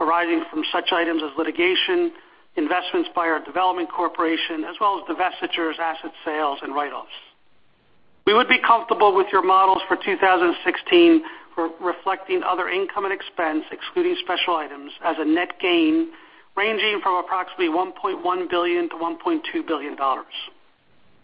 arising from such items as litigation, investments by our development corporation, as well as divestitures, asset sales, and write-offs. We would be comfortable with your models for 2016 reflecting other income and expense, excluding special items as a net gain ranging from approximately $1.1 billion to $1.2 billion.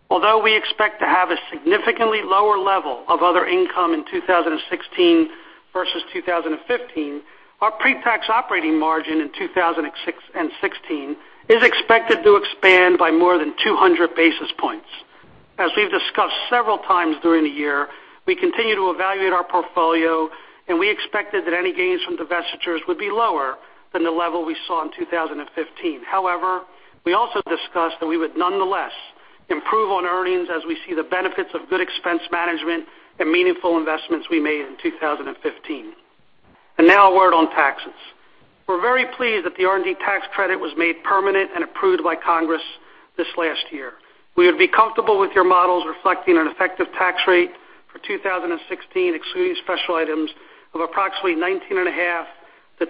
Although we expect to have a significantly lower level of other income in 2016 versus 2015, our pre-tax operating margin in 2016 is expected to expand by more than 200 basis points. As we've discussed several times during the year, we continue to evaluate our portfolio, and we expected that any gains from divestitures would be lower than the level we saw in 2015. However, we also discussed that we would nonetheless improve on earnings as we see the benefits of good expense management and meaningful investments we made in 2015. Now a word on taxes. We're very pleased that the R&D tax credit was made permanent and approved by Congress this last year. We would be comfortable with your models reflecting an effective tax rate for 2016, excluding special items, of approximately 19.5%-20.5%.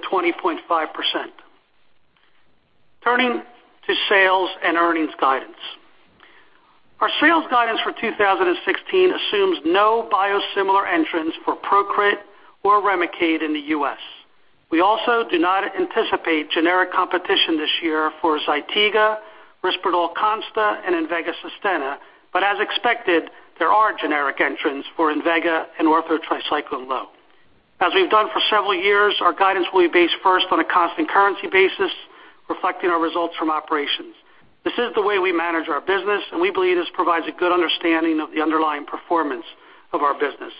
Turning to sales and earnings guidance. Our sales guidance for 2016 assumes no biosimilar entrants for PROCRIT or REMICADE in the U.S. We also do not anticipate generic competition this year for ZYTIGA, RISPERDAL CONSTA, and INVEGA SUSTENNA, but as expected, there are generic entrants for INVEGA and Ortho Tri-Cyclen Lo. As we've done for several years, our guidance will be based first on a constant currency basis, reflecting our results from operations. This is the way we manage our business, and we believe this provides a good understanding of the underlying performance of our business.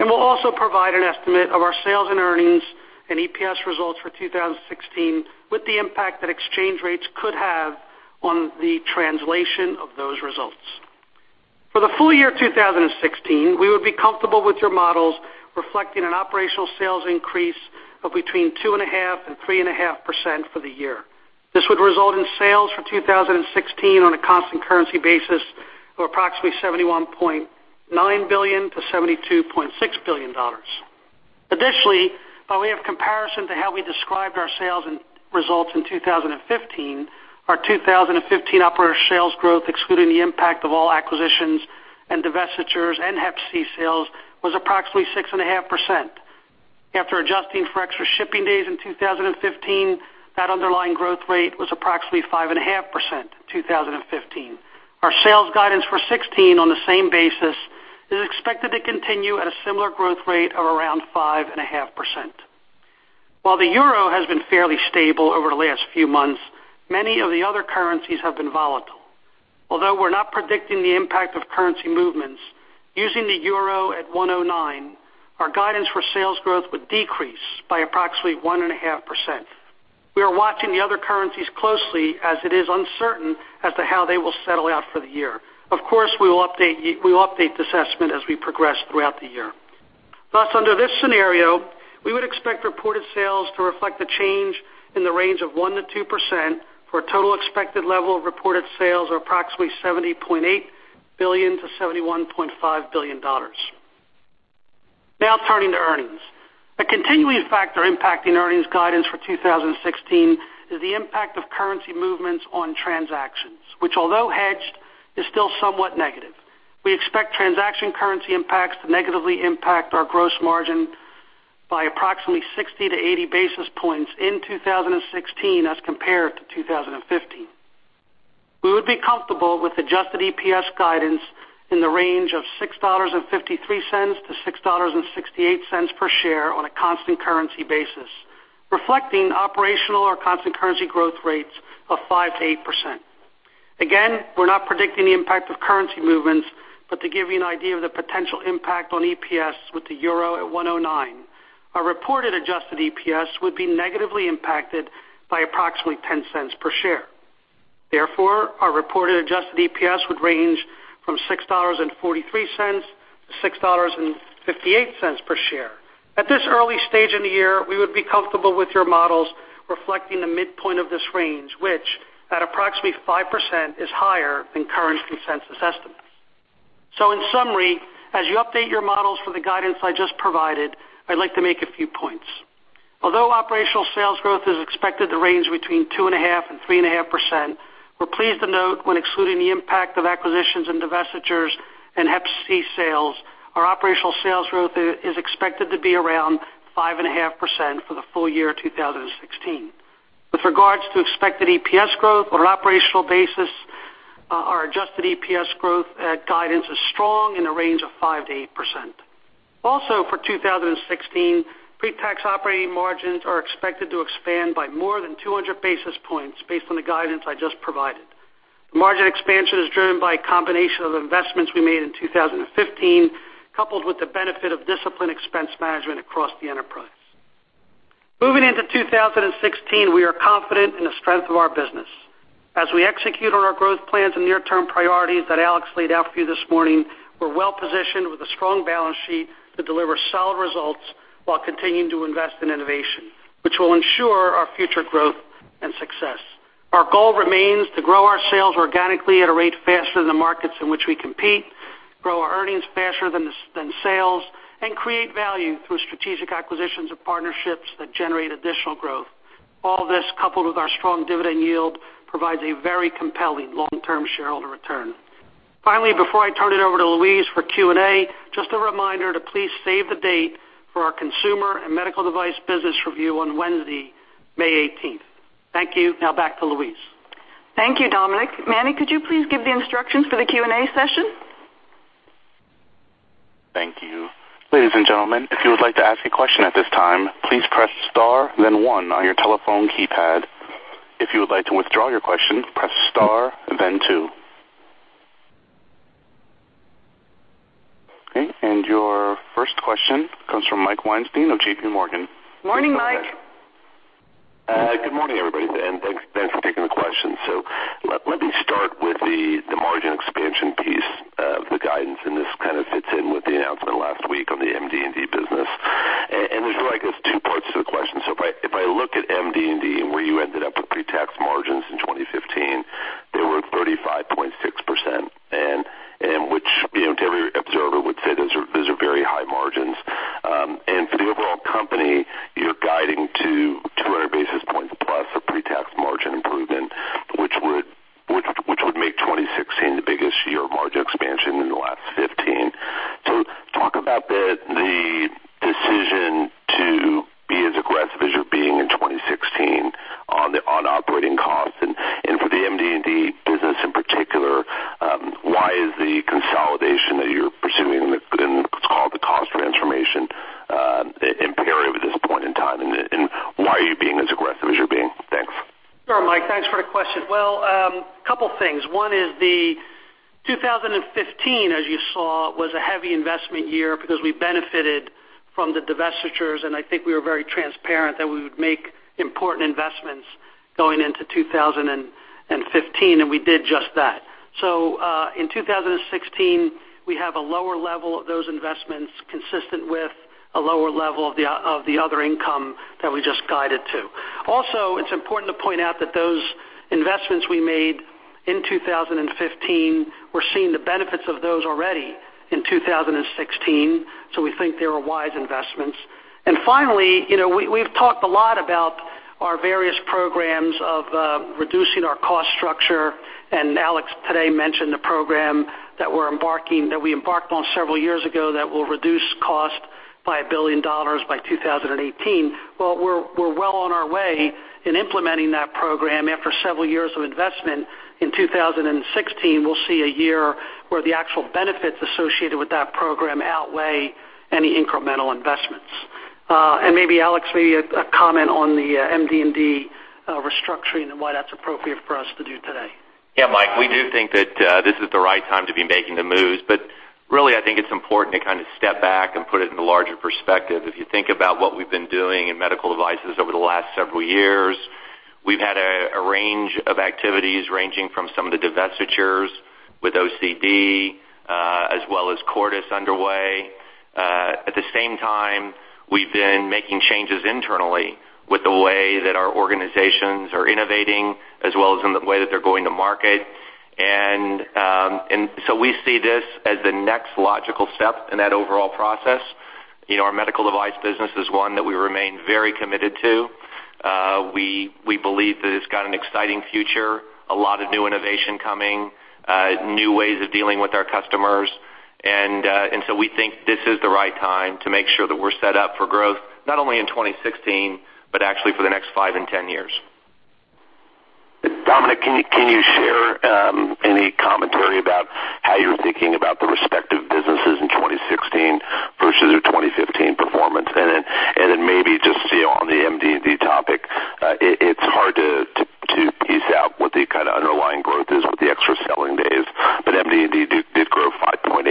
We'll also provide an estimate of our sales and earnings and EPS results for 2016, with the impact that exchange rates could have on the translation of those results. For the full year 2016, we would be comfortable with your models reflecting an operational sales increase of between 2.5%-3.5% for the year. This would result in sales for 2016 on a constant currency basis of approximately $71.9 billion-$72.6 billion. Additionally, while we have comparison to how we described our sales and results in 2015, our 2015 operational sales growth, excluding the impact of all acquisitions and divestitures and Hep C sales, was approximately 6.5%. After adjusting for extra shipping days in 2015, that underlying growth rate was approximately 5.5% in 2015. Our sales guidance for 2016 on the same basis is expected to continue at a similar growth rate of around 5.5%. While the euro has been fairly stable over the last few months, many of the other currencies have been volatile. Although we're not predicting the impact of currency movements, using the euro at 109, our guidance for sales growth would decrease by approximately 1.5%. We are watching the other currencies closely, as it is uncertain as to how they will settle out for the year. Of course, we will update this assessment as we progress throughout the year. Thus, under this scenario, we would expect reported sales to reflect a change in the range of 1%-2% for a total expected level of reported sales of approximately $70.8 billion-$71.5 billion. Now turning to earnings. A continuing factor impacting earnings guidance for 2016 is the impact of currency movements on transactions, which although hedged, is still somewhat negative. We expect transaction currency impacts to negatively impact our gross margin by approximately 60-80 basis points in 2016 as compared to 2015. We would be comfortable with adjusted EPS guidance in the range of $6.53-$6.68 per share on a constant currency basis, reflecting operational or constant currency growth rates of 5%-8%. Again, we're not predicting the impact of currency movements, but to give you an idea of the potential impact on EPS with the euro at 109, our reported adjusted EPS would be negatively impacted by approximately $0.10 per share. Therefore, our reported adjusted EPS would range from $6.43-$6.58 per share. At this early stage in the year, we would be comfortable with your models reflecting the midpoint of this range, which at approximately 5%, is higher than current consensus estimates. In summary, as you update your models for the guidance I just provided, I'd like to make a few points. Although operational sales growth is expected to range between 2.5%-3.5%, we're pleased to note when excluding the impact of acquisitions and divestitures and Hep C sales, our operational sales growth is expected to be around 5.5% for the full year 2016. With regards to expected EPS growth on an operational basis, our adjusted EPS growth guidance is strong in the range of 5%-8%. For 2016, pre-tax operating margins are expected to expand by more than 200 basis points, based on the guidance I just provided. Margin expansion is driven by a combination of investments we made in 2015, coupled with the benefit of disciplined expense management across the enterprise. Moving into 2016, we are confident in the strength of our business. As we execute on our growth plans and near-term priorities that Alex laid out for you this morning, we're well positioned with a strong balance sheet to deliver solid results while continuing to invest in innovation, which will ensure our future growth and success. Our goal remains to grow our sales organically at a rate faster than the markets in which we compete, grow our earnings faster than sales, and create value through strategic acquisitions or partnerships that generate additional growth. All this, coupled with our strong dividend yield, provides a very compelling long-term shareholder return. Before I turn it over to Louise for Q&A, just a reminder to please save the date for our consumer and medical device business review on Wednesday, May 18th. Thank you. Now back to Louise. Thank you, Dominic. Manny, could you please give the instructions for the Q&A session? Thank you. Ladies and gentlemen, if you would like to ask a question at this time, please press star then one on your telephone keypad. If you would like to withdraw your question, press star then two. Okay. Your first question comes from Mike Weinstein of JPMorgan. Morning, Mike. Good morning, everybody, thanks for taking the question. Let me start with the margin expansion piece of the guidance, this kind of fits in with the announcement last week on the MD&D business. There's, I guess, two parts to the question. If I look at MD&D and where you ended up with pre-tax margins in 2015, they were 35.6%, which every observer would say those are very high margins. For the overall company, you're guiding to 200 basis points plus of pre-tax margin improvement, which would make 2016 the biggest year of margin expansion in the last 15. Talk about the decision to be as aggressive as you're being in 2016 on operating costs and for the MD&D business in particular, why is the consolidation that you're pursuing in what's called the cost transformation imperative at this point in time? Why are you being as aggressive as you're being? Thanks. Sure, Mike, thanks for the question. Well, couple things. One is the 2015, as you saw, was a heavy investment year because we benefited from the divestitures, and I think we were very transparent that we would make important investments going into 2015, and we did just that. In 2016, we have a lower level of those investments consistent with a lower level of the other income that we just guided to. Also, it's important to point out that those investments we made in 2015, we're seeing the benefits of those already in 2016. We think they were wise investments. Finally, we've talked a lot about our various programs of reducing our cost structure, and Alex today mentioned the program that we embarked on several years ago that will reduce cost by $1 billion by 2018. Well, we're well on our way in implementing that program after several years of investment. In 2016, we'll see a year where the actual benefits associated with that program outweigh any incremental investments. Maybe Alex, maybe a comment on the MD&D restructuring and why that's appropriate for us to do today. Yeah, Mike, we do think that this is the right time to be making the moves, but really, I think it's important to kind of step back and put it in the larger perspective. If you think about what we've been doing in medical devices over the last several years, we've had a range of activities ranging from some of the divestitures with OCD, as well as Cordis underway. At the same time, we've been making changes internally with the way that our organizations are innovating as well as in the way that they're going to market. We see this as the next logical step in that overall process. Our medical device business is one that we remain very committed to. We believe that it's got an exciting future, a lot of new innovation coming, new ways of dealing with our customers. We think this is the right time to make sure that we're set up for growth not only in 2016, but actually for the next five and 10 years. Dominic, can you share any commentary about how you're thinking about the respective businesses in 2016 versus your 2015 performance? Maybe just on the MD&D topic, it's hard to piece out what the kind of underlying growth is with the extra selling days, but MD&D did grow 5.8%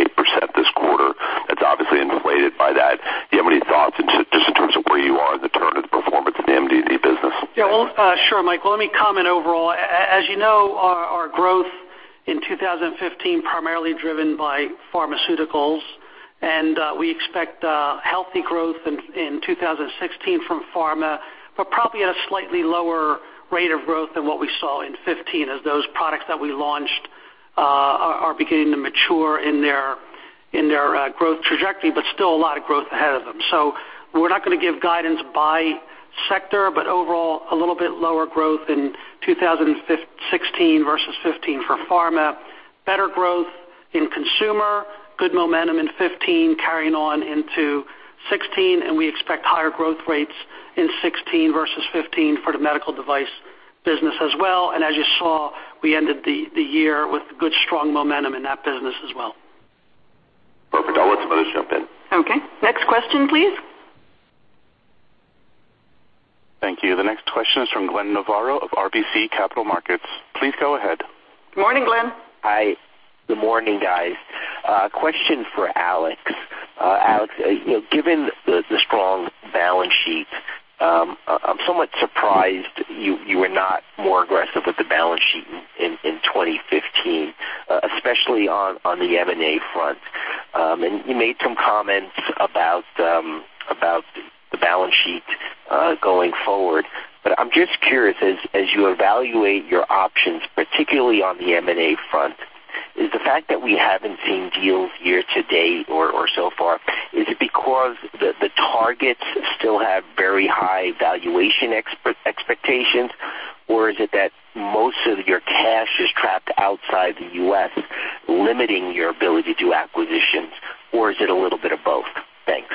this quarter. That's obviously inflated by that. Do you have any thoughts just in terms of where you are in the turn of the performance in the MD&D business? Yeah, sure, Mike. Well, let me comment overall. As you know, our growth in 2015, primarily driven by pharmaceuticals, we expect healthy growth in 2016 from pharma, but probably at a slightly lower rate of growth than what we saw in '15 as those products that we launched are beginning to mature in their growth trajectory, but still a lot of growth ahead of them. We're not going to give guidance by sector, but overall, a little bit lower growth in 2016 versus '15 for pharma. Better growth in consumer, good momentum in '15 carrying on into '16, and we expect higher growth rates in '16 versus '15 for the medical device business as well. As you saw, we ended the year with good, strong momentum in that business as well. Perfect. I'll let somebody else jump in. Okay. Next question, please. Thank you. The next question is from Glenn Novarro of RBC Capital Markets. Please go ahead. Morning, Glenn. Hi. Good morning, guys. Question for Alex. Alex, given the strong balance sheet, I'm somewhat surprised you were not more aggressive with the balance sheet in 2015, especially on the M&A front. You made some comments about the balance sheet going forward, but I'm just curious, as you evaluate your options, particularly on the M&A front, is the fact that we haven't seen deals year to date or so far, is it because the targets still have very high valuation expectations, or is it that most of your cash is trapped outside the U.S., limiting your ability to acquisitions, or is it a little bit of both? Thanks.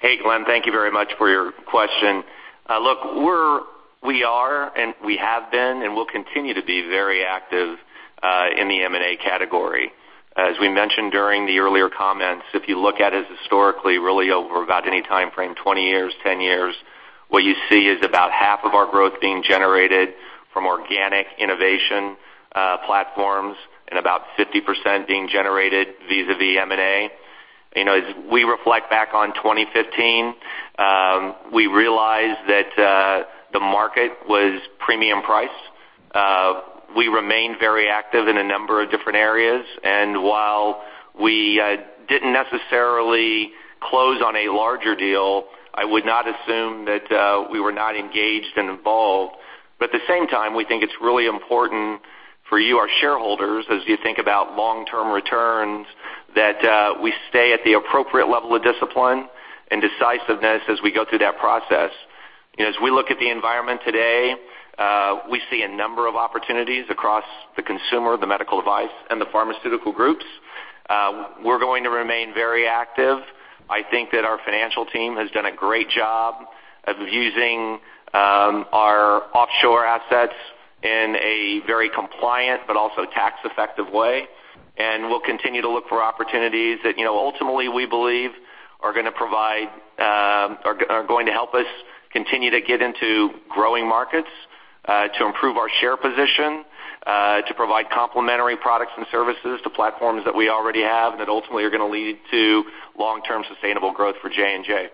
Hey, Glenn. Thank you very much for your question. Look, we are, and we have been, and will continue to be very active in the M&A category. As we mentioned during the earlier comments, if you look at us historically, really over about any timeframe, 20 years, 10 years, what you see is about half of our growth being generated from organic innovation platforms and about 50% being generated vis-à-vis M&A. As we reflect back on 2015, we realize that the market was premium price. We remained very active in a number of different areas, and while we didn't necessarily close on a larger deal, I would not assume that we were not engaged and involved. At the same time, we think it's really important for you, our shareholders, as you think about long-term returns, that we stay at the appropriate level of discipline and decisiveness as we go through that process. As we look at the environment today, we see a number of opportunities across the consumer, the medical device, and the pharmaceutical groups. We're going to remain very active. I think that our financial team has done a great job of using our offshore assets in a very compliant but also tax-effective way, and we'll continue to look for opportunities that, ultimately, we believe are going to help us continue to get into growing markets, to improve our share position, to provide complementary products and services to platforms that we already have, and that ultimately are going to lead to long-term sustainable growth for J&J.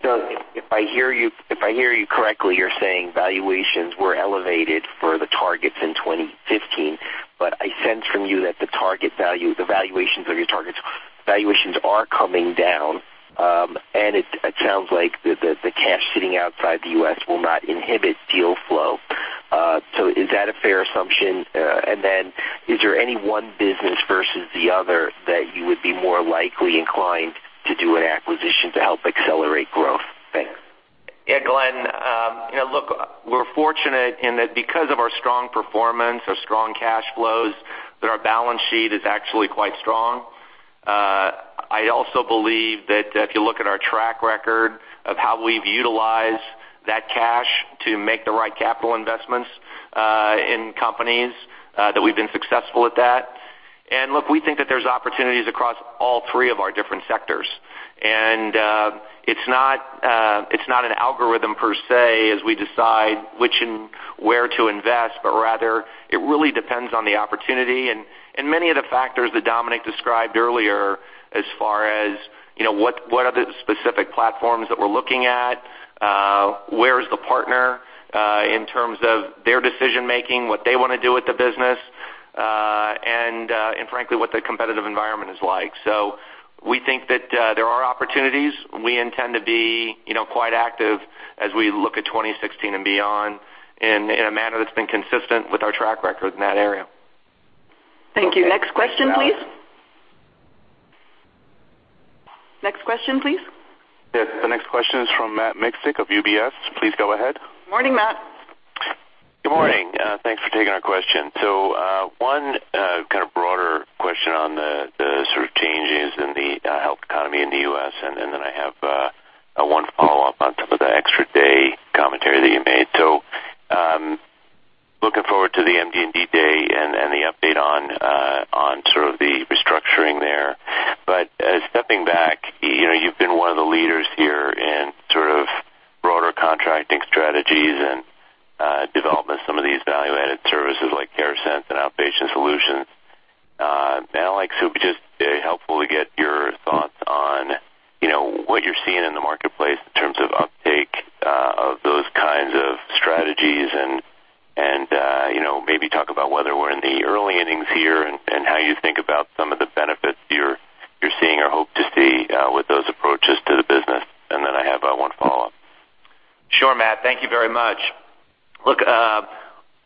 If I hear you correctly, you're saying valuations were elevated for the targets in 2015, but I sense from you that the valuations of your targets, valuations are coming down, and it sounds like the cash sitting outside the U.S. will not inhibit deal flow. Is that a fair assumption? Is there any one business versus the other that you would be more likely inclined to do an acquisition to help accelerate growth? Thanks. Yeah, Glenn. Look, we're fortunate in that because of our strong performance, our strong cash flows, that our balance sheet is actually quite strong. I also believe that if you look at our track record of how we've utilized that cash to make the right capital investments in companies, that we've been successful at that. Look, we think that there's opportunities across all three of our different sectors. It's not an algorithm per se, as we decide which and where to invest, but rather, it really depends on the opportunity and many of the factors that Dominic described earlier as far as what are the specific platforms that we're looking at, where is the partner in terms of their decision making, what they want to do with the business, and frankly, what the competitive environment is like. We think that there are opportunities. We intend to be quite active as we look at 2016 and beyond in a manner that's been consistent with our track record in that area. Thank you. Next question, please. Next question, please. The next question is from Matthew Miksic of UBS. Please go ahead. Morning, Matt. Good morning. Thanks for taking our question. One kind of broader question on the sort of changes in the health economy in the U.S., and then I have one follow-up on top of the extra day commentary that you made. Looking forward to the MD&D day and the update on sort of the restructuring there. Stepping back, you've been one of the leaders here in sort of broader contracting strategies and development of some of these value-added services like CareAdvantage and Outpatient Solutions. It would be just very helpful to get your thoughts on what you're seeing in the marketplace in terms of uptake of those kinds of strategies and maybe talk about whether we're in the early innings here and how you think about some of the benefits you're seeing or hope to see with those approaches to the business. I have one follow-up. Sure, Matt, thank you very much. Look,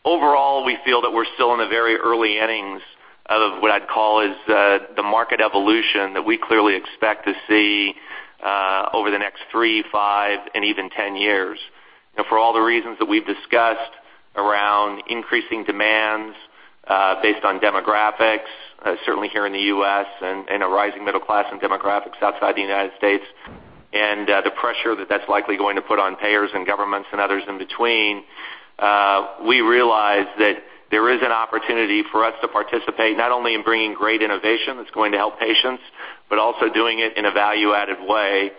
overall, we feel that we're still in the very early innings of what I'd call is the market evolution that we clearly expect to see over the next three, five, and even 10 years. For all the reasons that we've discussed around increasing demands based on demographics, certainly here in the U.S. and a rising middle class in demographics outside the United States, and the pressure that that's likely going to put on payers and governments and others in between, we realize that there is an opportunity for us to participate not only in bringing great innovation that's going to help patients, but also doing it in a value-added way.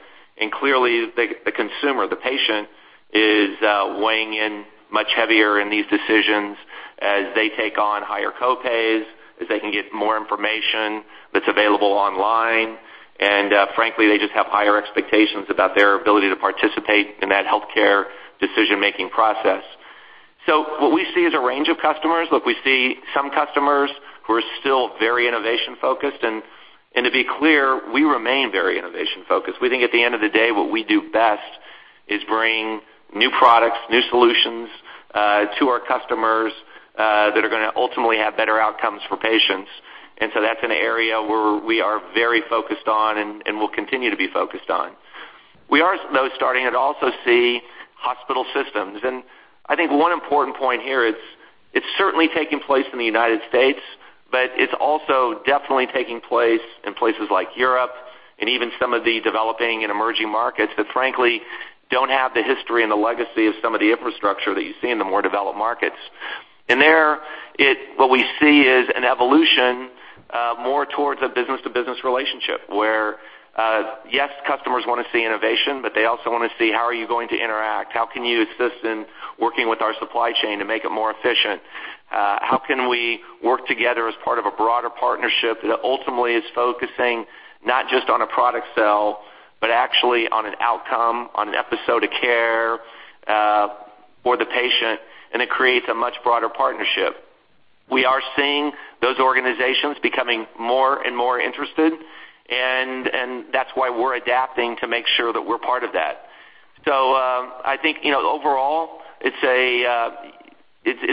Clearly, the consumer, the patient, is weighing in much heavier in these decisions as they take on higher co-pays, as they can get more information that's available online. Frankly, they just have higher expectations about their ability to participate in that healthcare decision-making process. What we see is a range of customers. Look, we see some customers who are still very innovation-focused. To be clear, we remain very innovation-focused. We think at the end of the day, what we do best is bring new products, new solutions to our customers that are going to ultimately have better outcomes for patients. That's an area where we are very focused on and will continue to be focused on. We are, though, starting to also see hospital systems. I think one important point here, it's certainly taking place in the United States, but it's also definitely taking place in places like Europe and even some of the developing and emerging markets that frankly don't have the history and the legacy of some of the infrastructure that you see in the more developed markets. There, what we see is an evolution more towards a business-to-business relationship where, yes, customers want to see innovation, but they also want to see how are you going to interact? How can you assist in working with our supply chain to make it more efficient? How can we work together as part of a broader partnership that ultimately is focusing not just on a product sell, but actually on an outcome, on an episode of care for the patient, and it creates a much broader partnership. We are seeing those organizations becoming more and more interested, and that's why we're adapting to make sure that we're part of that. I think overall, it's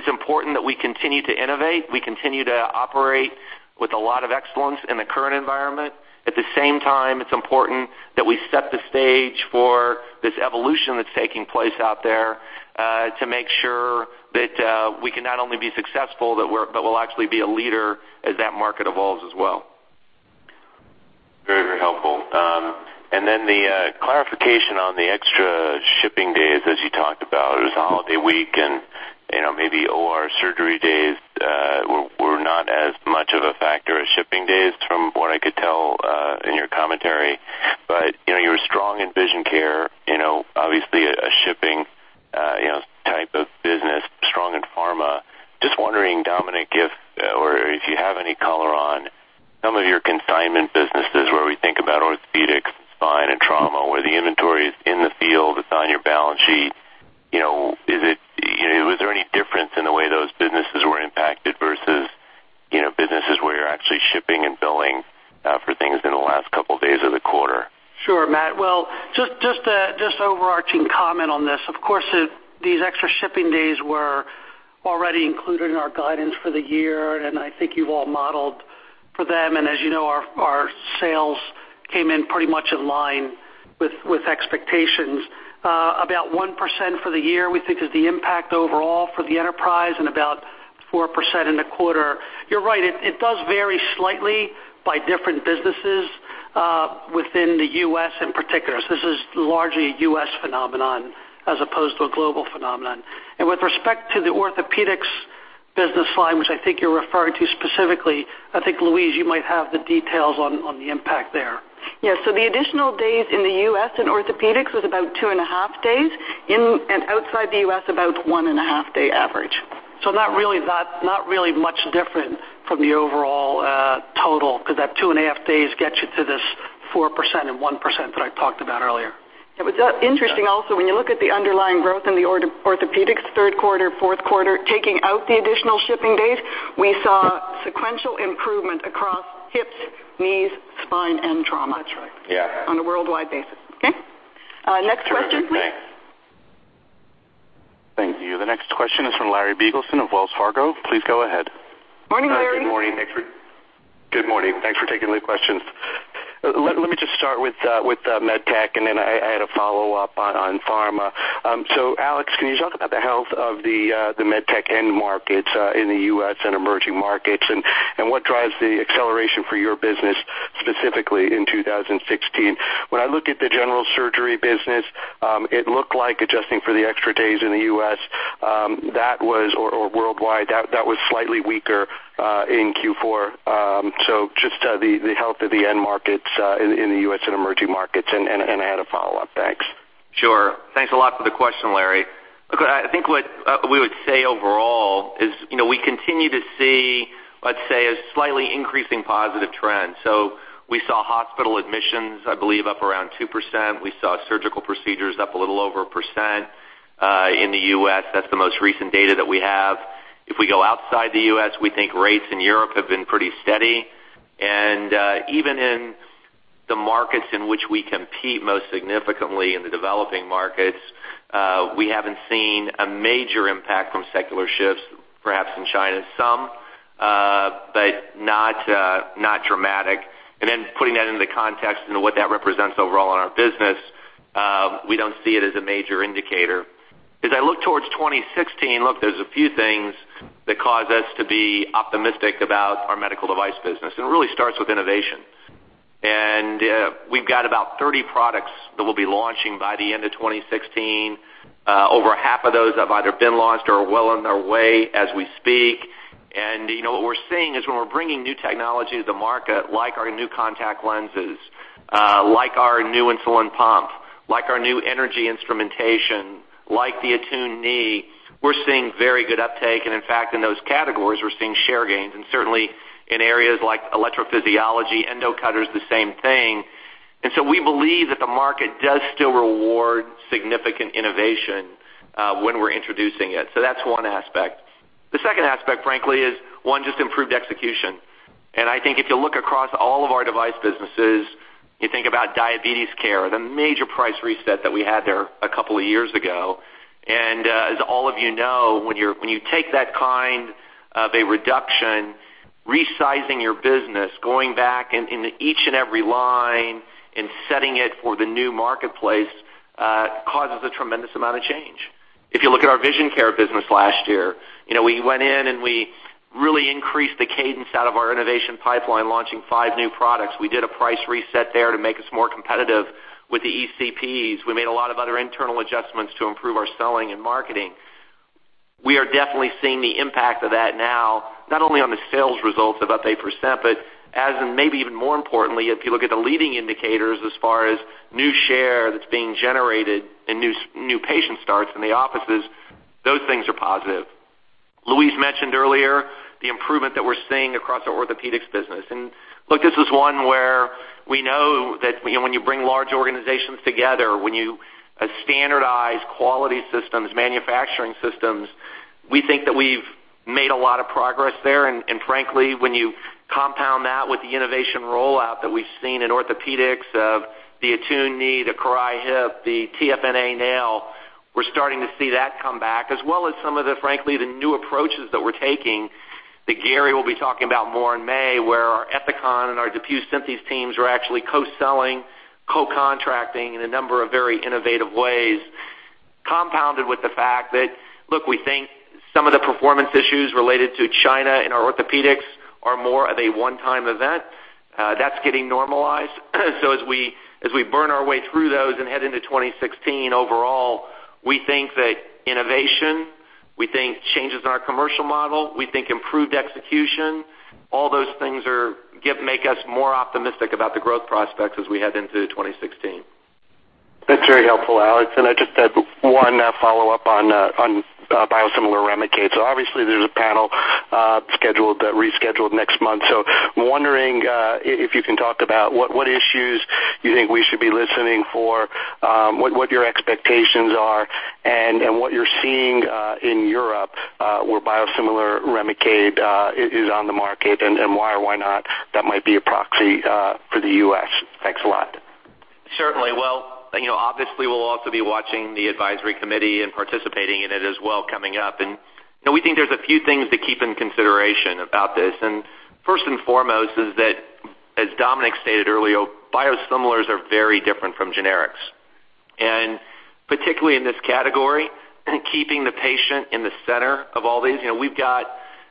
important that we continue to innovate, we continue to operate with a lot of excellence in the current environment. At the same time, it's important that we set the stage for this evolution that's taking place out there to make sure that we can not only be successful, but we'll actually be a leader as that market evolves as well. Very helpful. Then the clarification on the extra shipping days as you talked about, it was a holiday week, and maybe OR surgery days were not as much of a factor as shipping days from what I could tell in your commentary. You were strong in vision care, obviously a shipping type of business, strong in pharma. Just wondering, Dominic, if or if you have any color on some of your consignment businesses where we think about orthopedics, spine, and trauma, where the inventory is in the field, it's on your balance sheet. Was there any difference in the way those businesses were impacted versus businesses where you're actually shipping and billing for things in the last couple of days of the quarter? Sure, Matt. Well, just overarching comment on this. Of course, these extra shipping days were already included in our guidance for the year, and I think you've all modeled for them. As you know, our sales came in pretty much in line with expectations. About 1% for the year, we think, is the impact overall for the enterprise, and about 4% in the quarter. You're right. It does vary slightly by different businesses within the U.S. in particular. This is largely a U.S. phenomenon as opposed to a global phenomenon. With respect to the orthopedics business line, which I think you're referring to specifically, I think, Louise, you might have the details on the impact there. Yes. The additional days in the U.S. in orthopedics was about two and a half days. In and outside the U.S., about one and a half day average. Not really much different from the overall total because that two and a half days gets you to this 4% and 1% that I talked about earlier. It was interesting also, when you look at the underlying growth in the orthopaedics third quarter, fourth quarter, taking out the additional shipping days, we saw sequential improvement across hips, knees, spine, and trauma. That's right. Yeah On a worldwide basis. Okay? Next question, please. Terrific. Thanks. Thank you. The next question is from Larry Biegelsen of Wells Fargo. Please go ahead. Morning, Larry. Good morning. Thanks for taking the questions. Let me just start with MedTech, and then I had a follow-up on Pharma. Alex, can you talk about the health of the MedTech end markets in the U.S. and emerging markets, and what drives the acceleration for your business, specifically in 2016? When I look at the general surgery business, it looked like adjusting for the extra days in the U.S. or worldwide, that was slightly weaker in Q4. Just the health of the end markets in the U.S. and emerging markets, and I had a follow-up. Thanks. Sure. Thanks a lot for the question, Larry. I think what we would say overall is we continue to see, let's say, a slightly increasing positive trend. We saw hospital admissions, I believe, up around 2%. We saw surgical procedures up a little over a percent in the U.S. That's the most recent data that we have. If we go outside the U.S., we think rates in Europe have been pretty steady. Even in the markets in which we compete most significantly in the developing markets, we haven't seen a major impact from secular shifts, perhaps in China, some, but not dramatic. Putting that into context and what that represents overall in our business, we don't see it as a major indicator. As I look towards 2016, look, there's a few things that cause us to be optimistic about our medical device business. It really starts with innovation. We've got about 30 products that we'll be launching by the end of 2016. Over half of those have either been launched or are well on their way as we speak. What we're seeing is when we're bringing new technology to the market, like our new contact lenses, like our new insulin pump, like our new energy instrumentation, like the ATTUNE knee, we're seeing very good uptake. In fact, in those categories, we're seeing share gains, certainly in areas like electrophysiology, endo cutters, the same thing. We believe that the market does still reward significant innovation when we're introducing it. That's one aspect. The second aspect, frankly, is, one, just improved execution. I think if you look across all of our device businesses, you think about diabetes care, the major price reset that we had there a couple of years ago. As all of you know, when you take that kind of a reduction Resizing your business, going back into each and every line and setting it for the new marketplace, causes a tremendous amount of change. If you look at our vision care business last year, we went in and we really increased the cadence out of our innovation pipeline, launching five new products. We did a price reset there to make us more competitive with the ECPs. We made a lot of other internal adjustments to improve our selling and marketing. We are definitely seeing the impact of that now, not only on the sales results of up 8%, but as maybe even more importantly, if you look at the leading indicators as far as new share that's being generated and new patient starts in the offices, those things are positive. Louise mentioned earlier the improvement that we're seeing across our orthopedics business. Look, this is one where we know that when you bring large organizations together, when you standardize quality systems, manufacturing systems, we think that we've made a lot of progress there. Frankly, when you compound that with the innovation rollout that we've seen in orthopaedics of the ATTUNE knee, the CORAIL hip, the TFNA nail, we're starting to see that come back, as well as some of the, frankly, the new approaches that we're taking that Gary will be talking about more in May, where our Ethicon and our DePuy Synthes teams are actually co-selling, co-contracting in a number of very innovative ways. Compounded with the fact that, look, we think some of the performance issues related to China and our orthopaedics are more of a one-time event. That's getting normalized. As we burn our way through those and head into 2016, overall, we think that innovation, we think changes in our commercial model, we think improved execution, all those things make us more optimistic about the growth prospects as we head into 2016. That's very helpful, Alex. I just had one follow-up on biosimilar REMICADE. Obviously there's a panel rescheduled next month. Wondering if you can talk about what issues you think we should be listening for, what your expectations are, and what you're seeing in Europe where biosimilar REMICADE is on the market, and why or why not that might be a proxy for the U.S. Thanks a lot. Certainly. Well, obviously we'll also be watching the advisory committee and participating in it as well coming up. We think there's a few things to keep in consideration about this. First and foremost is that, as Dominic stated earlier, biosimilars are very different from generics. Particularly in this category, keeping the patient in the center of all these. We've got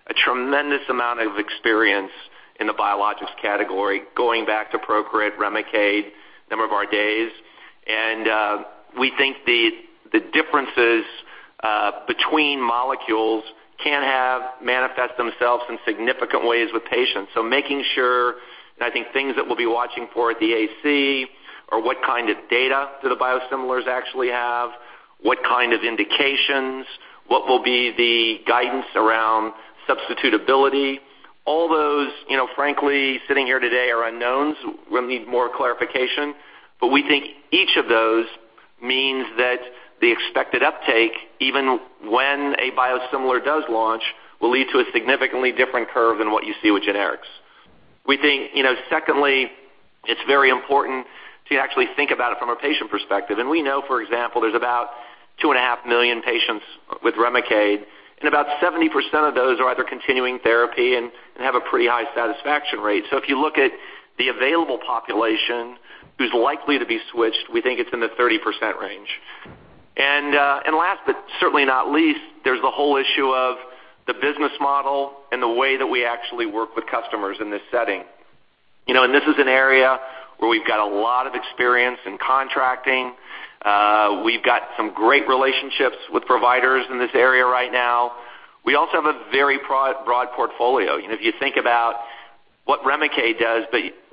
a tremendous amount of experience in the biologics category, going back to PROCRIT, REMICADE, number of our days. We think the differences between molecules can manifest themselves in significant ways with patients. Making sure that I think things that we'll be watching for at the AC are what kind of data do the biosimilars actually have? What kind of indications? What will be the guidance around substitutability? All those, frankly, sitting here today are unknowns. We'll need more clarification. We think each of those means that the expected uptake, even when a biosimilar does launch, will lead to a significantly different curve than what you see with generics. We think secondly, it's very important to actually think about it from a patient perspective. We know, for example, there's about two and a half million patients with REMICADE, and about 70% of those are either continuing therapy and have a pretty high satisfaction rate. If you look at the available population who's likely to be switched, we think it's in the 30% range. Last but certainly not least, there's the whole issue of the business model and the way that we actually work with customers in this setting. This is an area where we've got a lot of experience in contracting. We've got some great relationships with providers in this area right now. We also have a very broad portfolio. If you think about what REMICADE does,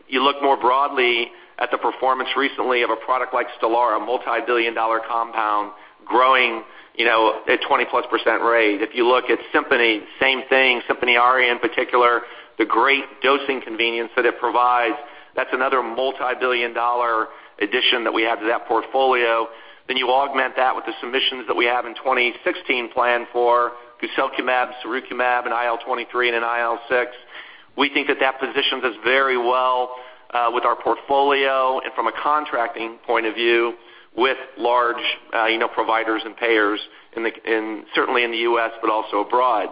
you look more broadly at the performance recently of a product like STELARA, a multibillion-dollar compound growing at 20-plus % rate. If you look at SIMPONI, same thing. SIMPONI ARIA in particular, the great dosing convenience that it provides. That's another multibillion-dollar addition that we have to that portfolio. You augment that with the submissions that we have in 2016 planned for guselkumab, sirukumab in IL-23 and in IL-6. We think that that positions us very well with our portfolio and from a contracting point of view with large providers and payers certainly in the U.S., but also abroad.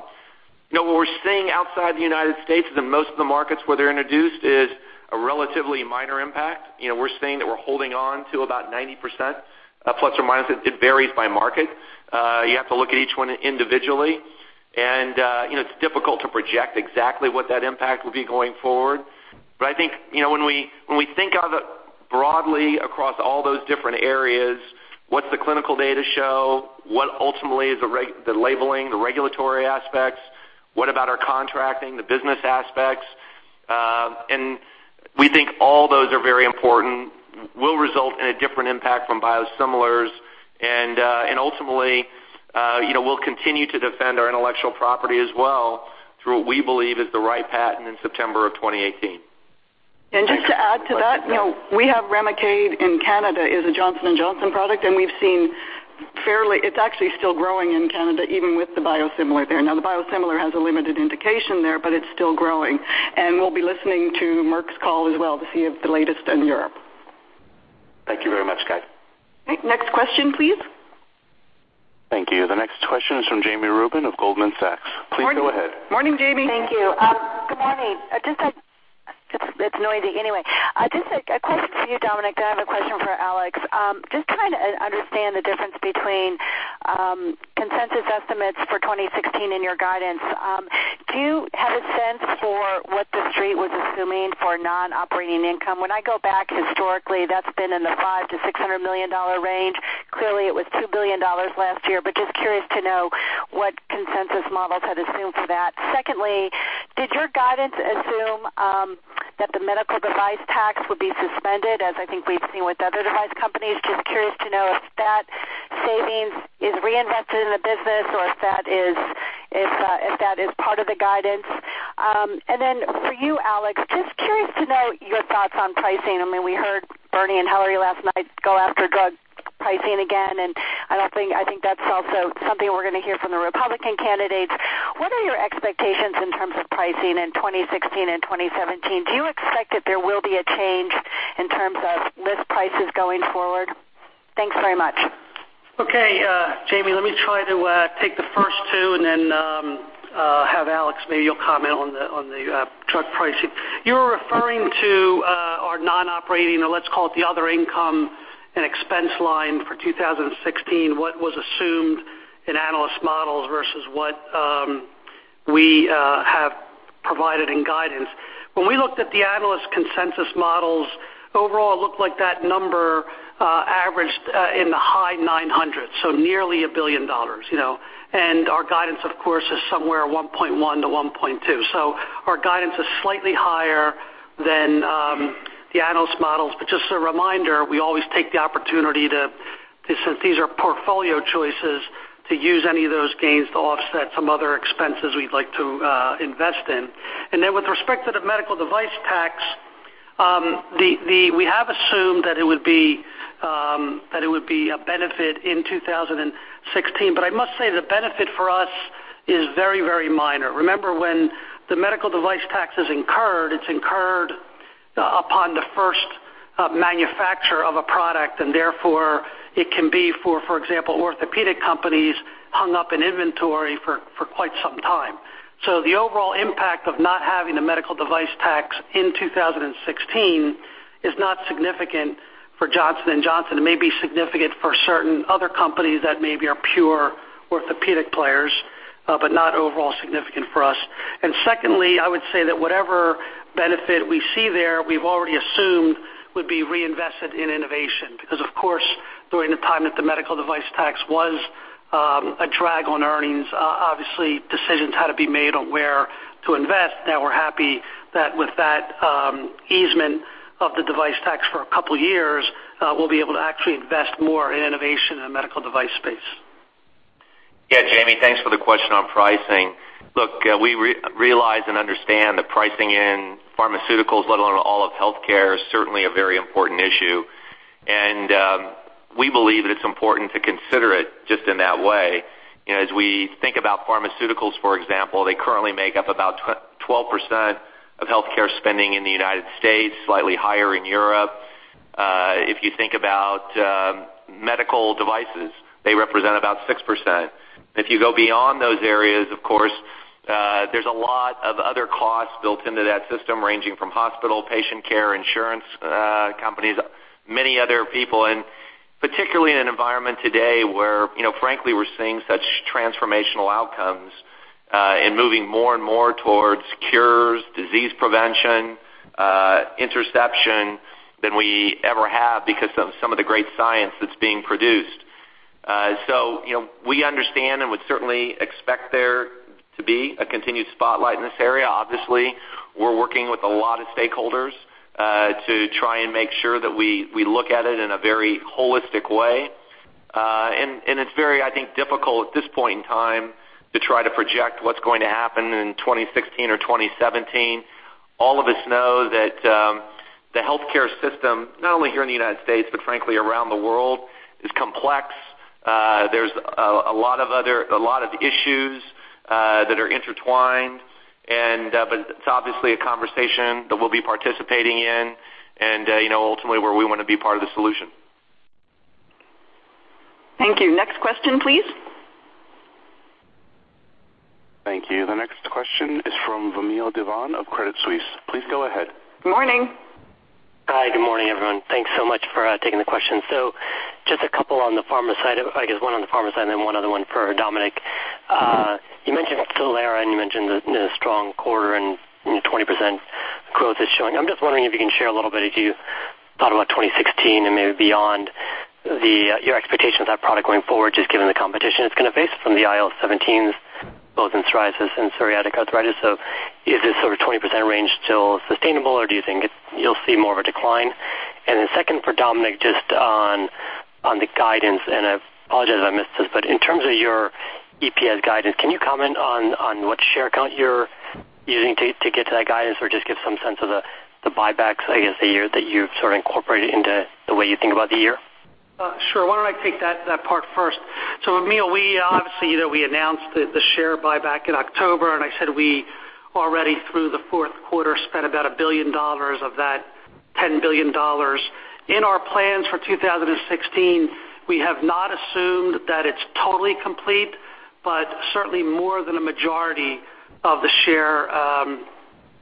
What we're seeing outside the United States in most of the markets where they're introduced is a relatively minor impact. We're seeing that we're holding on to about 90%, plus or minus. It varies by market. You have to look at each one individually. It's difficult to project exactly what that impact will be going forward. But I think when we think of it broadly across all those different areas, what's the clinical data show? What ultimately is the labeling, the regulatory aspects? What about our contracting, the business aspects? We think all those are very important, will result in a different impact from biosimilars. Ultimately, we'll continue to defend our intellectual property as well through what we believe is the right patent in September of 2018. Thanks. Just to add to that, we have REMICADE in Canada is a Johnson & Johnson product, and we've seen fairly. It's actually still growing in Canada, even with the biosimilar there. Now, the biosimilar has a limited indication there, but it's still growing. We'll be listening to Merck's call as well to see the latest in Europe. Thank you very much, guys. All right. Next question, please. Thank you. The next question is from Jami Rubin of Goldman Sachs. Please go ahead. Morning, Jami. Thank you. Good morning. It's noisy. Anyway, just a question for you, Dominic, then I have a question for Alex. Just trying to understand the difference between consensus estimates for 2016 in your guidance. Do you have a sense for what the street was assuming for non-operating income? When I go back historically, that's been in the $500 million-$600 million range. Clearly, it was $2 billion last year, but just curious to know what consensus models had assumed for that. Secondly, did your guidance assume that the medical device tax would be suspended, as I think we've seen with other device companies? Just curious to know if that saving is reinvested in the business, or if that is part of the guidance. For you, Alex, just curious to know your thoughts on pricing. We heard Bernie and Hillary last night go after drug pricing again. I think that's also something we're going to hear from the Republican candidates. What are your expectations in terms of pricing in 2016 and 2017? Do you expect that there will be a change in terms of list prices going forward? Thanks very much. Okay, Jami, let me try to take the first two. Then have Alex, maybe you'll comment on the drug pricing. You're referring to our non-operating, or let's call it the other income and expense line for 2016, what was assumed in analyst models versus what we have provided in guidance. When we looked at the analyst consensus models, overall, it looked like that number averaged in the high 900s, so nearly $1 billion. Our guidance, of course, is somewhere $1.1 to $1.2. Our guidance is slightly higher than the analyst models. Just a reminder, we always take the opportunity to, since these are portfolio choices, to use any of those gains to offset some other expenses we'd like to invest in. Then with respect to the medical device tax, we have assumed that it would be a benefit in 2016. I must say the benefit for us is very minor. Remember, when the medical device tax is incurred, it's incurred upon the first manufacturer of a product, and therefore, it can be, for example, orthopedic companies hung up in inventory for quite some time. The overall impact of not having a medical device tax in 2016 is not significant for Johnson & Johnson. It may be significant for certain other companies that maybe are pure orthopedic players, but not overall significant for us. Secondly, I would say that whatever benefit we see there, we've already assumed would be reinvested in innovation, because of course, during the time that the medical device tax was a drag on earnings, obviously decisions had to be made on where to invest. Now we're happy that with that easement of the device tax for a couple of years, we'll be able to actually invest more in innovation in the medical device space. Yeah, Jami, thanks for the question on pricing. Look, we realize and understand that pricing in pharmaceuticals, let alone all of healthcare, is certainly a very important issue, and we believe that it's important to consider it just in that way. As we think about pharmaceuticals, for example, they currently make up about 12% of healthcare spending in the U.S., slightly higher in Europe. If you think about medical devices, they represent about 6%. If you go beyond those areas, of course, there's a lot of other costs built into that system, ranging from hospital, patient care, insurance companies, many other people, and particularly in an environment today where frankly, we're seeing such transformational outcomes in moving more and more towards cures, disease prevention, interception than we ever have because of some of the great science that's being produced. We understand and would certainly expect there to be a continued spotlight in this area. Obviously, we're working with a lot of stakeholders to try and make sure that we look at it in a very holistic way. It's very, I think, difficult at this point in time to try to project what's going to happen in 2016 or 2017. All of us know that the healthcare system, not only here in the U.S., but frankly around the world, is complex. There's a lot of issues that are intertwined, it's obviously a conversation that we'll be participating in and ultimately where we want to be part of the solution. Thank you. Next question, please. Thank you. The next question is from Vamil Divan of Credit Suisse. Please go ahead. Morning. Hi, good morning, everyone. Thanks so much for taking the question. Just a couple on the pharma side. I guess one on the pharma side and then one other one for Dominic. You mentioned STELARA and you mentioned the strong quarter and 20% growth it's showing. I'm just wondering if you can share a little bit, if you thought about 2016 and maybe beyond, your expectations of that product going forward, just given the competition it's going to face from the IL-17s, both in psoriasis and psoriatic arthritis. Is this sort of 20% range still sustainable, or do you think you'll see more of a decline? Second for Dominic, just on the guidance, and I apologize if I missed this, but in terms of your EPS guidance, can you comment on what share count you're using to get to that guidance or just give some sense of the buybacks, I guess, that you've sort of incorporated into the way you think about the year? Sure. Why don't I take that part first? Vamil, we obviously announced the share buyback in October, and I said we already through the fourth quarter spent about $1 billion of that $10 billion. In our plans for 2016, we have not assumed that it's totally complete, but certainly more than a majority of the share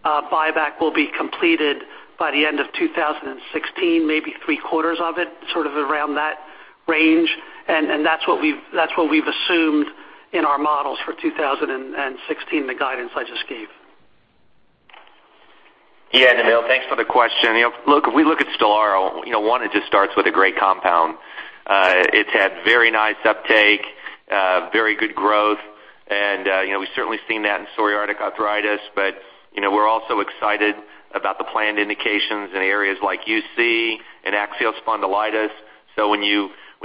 buyback will be completed by the end of 2016, maybe three quarters of it, sort of around that range. That's what we've assumed in our models for 2016, the guidance I just gave. Yeah, Vamil, thanks for the question. Look, if we look at STELARA, one, it just starts with a great compound. It's had very nice uptake, very good growth, and we've certainly seen that in psoriatic arthritis. But we're also excited about the planned indications in areas like UC and axial spondylitis. When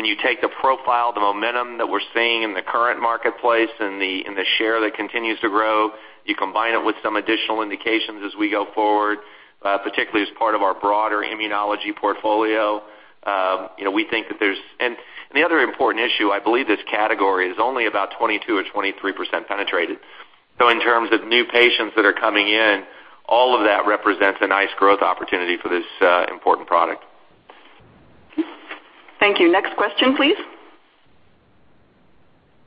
you take the profile, the momentum that we're seeing in the current marketplace and the share that continues to grow, you combine it with some additional indications as we go forward, particularly as part of our broader immunology portfolio. The other important issue, I believe this category is only about 22% or 23% penetrated. In terms of new patients that are coming in, all of that represents a nice growth opportunity for this important product. Thank you. Next question, please.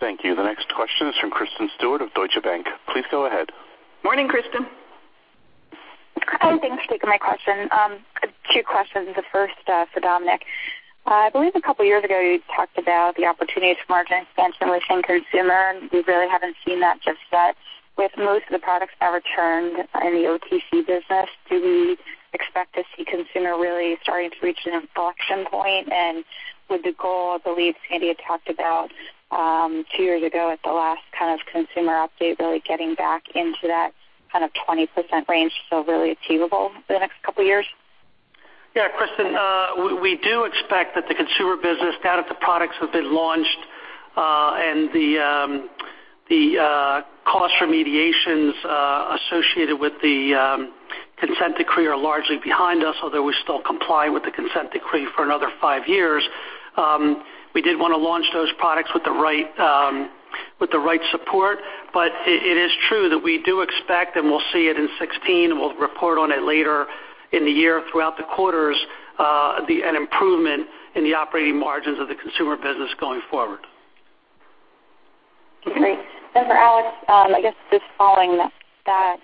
Thank you. The next question is from Kristen Stewart of Deutsche Bank. Please go ahead. Morning, Kristen. Hi. Thanks for taking my question. Two questions. The first, for Dominic. I believe a couple of years ago, you talked about the opportunities for margin expansion within consumer, and we really haven't seen that just yet. With most of the products now returned in the OTC business, do we expect to see consumer really starting to reach an inflection point? With the goal, I believe Sandy had talked about two years ago at the last kind of consumer update, really getting back into that kind of 20% range still really achievable for the next couple of years? Kristin, we do expect that the consumer business, now that the products have been launched and the cost remediations associated with the consent decree are largely behind us, although we still comply with the consent decree for another five years. We did want to launch those products with the right support. It is true that we do expect, and we'll see it in 2016, we'll report on it later in the year throughout the quarters, an improvement in the operating margins of the consumer business going forward. Great. For Alex, I guess just following that,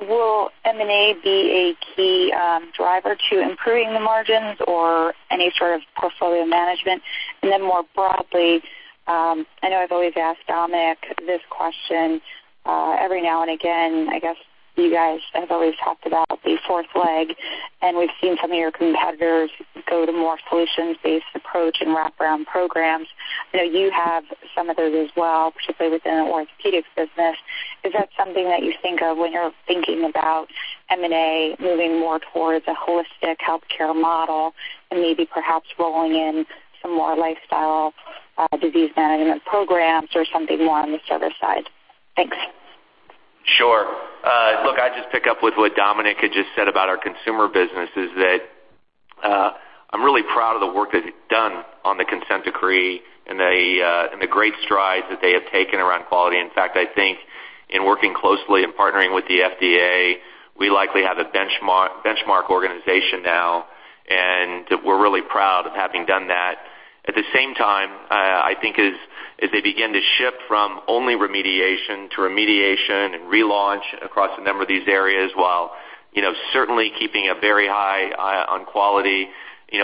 will M&A be a key driver to improving the margins or any sort of portfolio management? More broadly, I know I've always asked Dominic this question every now and again, I guess you guys have always talked about the fourth leg, and we've seen some of your competitors go to more solutions-based approach and wraparound programs. I know you have some of those as well, particularly within the orthopedics business. Is that something that you think of when you're thinking about M&A moving more towards a holistic healthcare model and maybe perhaps rolling in some more lifestyle disease management programs or something more on the service side? Thanks. Sure. Look, I'd just pick up with what Dominic had just said about our consumer business, is that I'm really proud of the work that he'd done on the consent decree and the great strides that they have taken around quality. In fact, I think in working closely and partnering with the FDA, we likely have a benchmark organization now, and we're really proud of having done that. At the same time, I think as they begin to shift from only remediation to remediation and relaunch across a number of these areas while certainly keeping a very high eye on quality,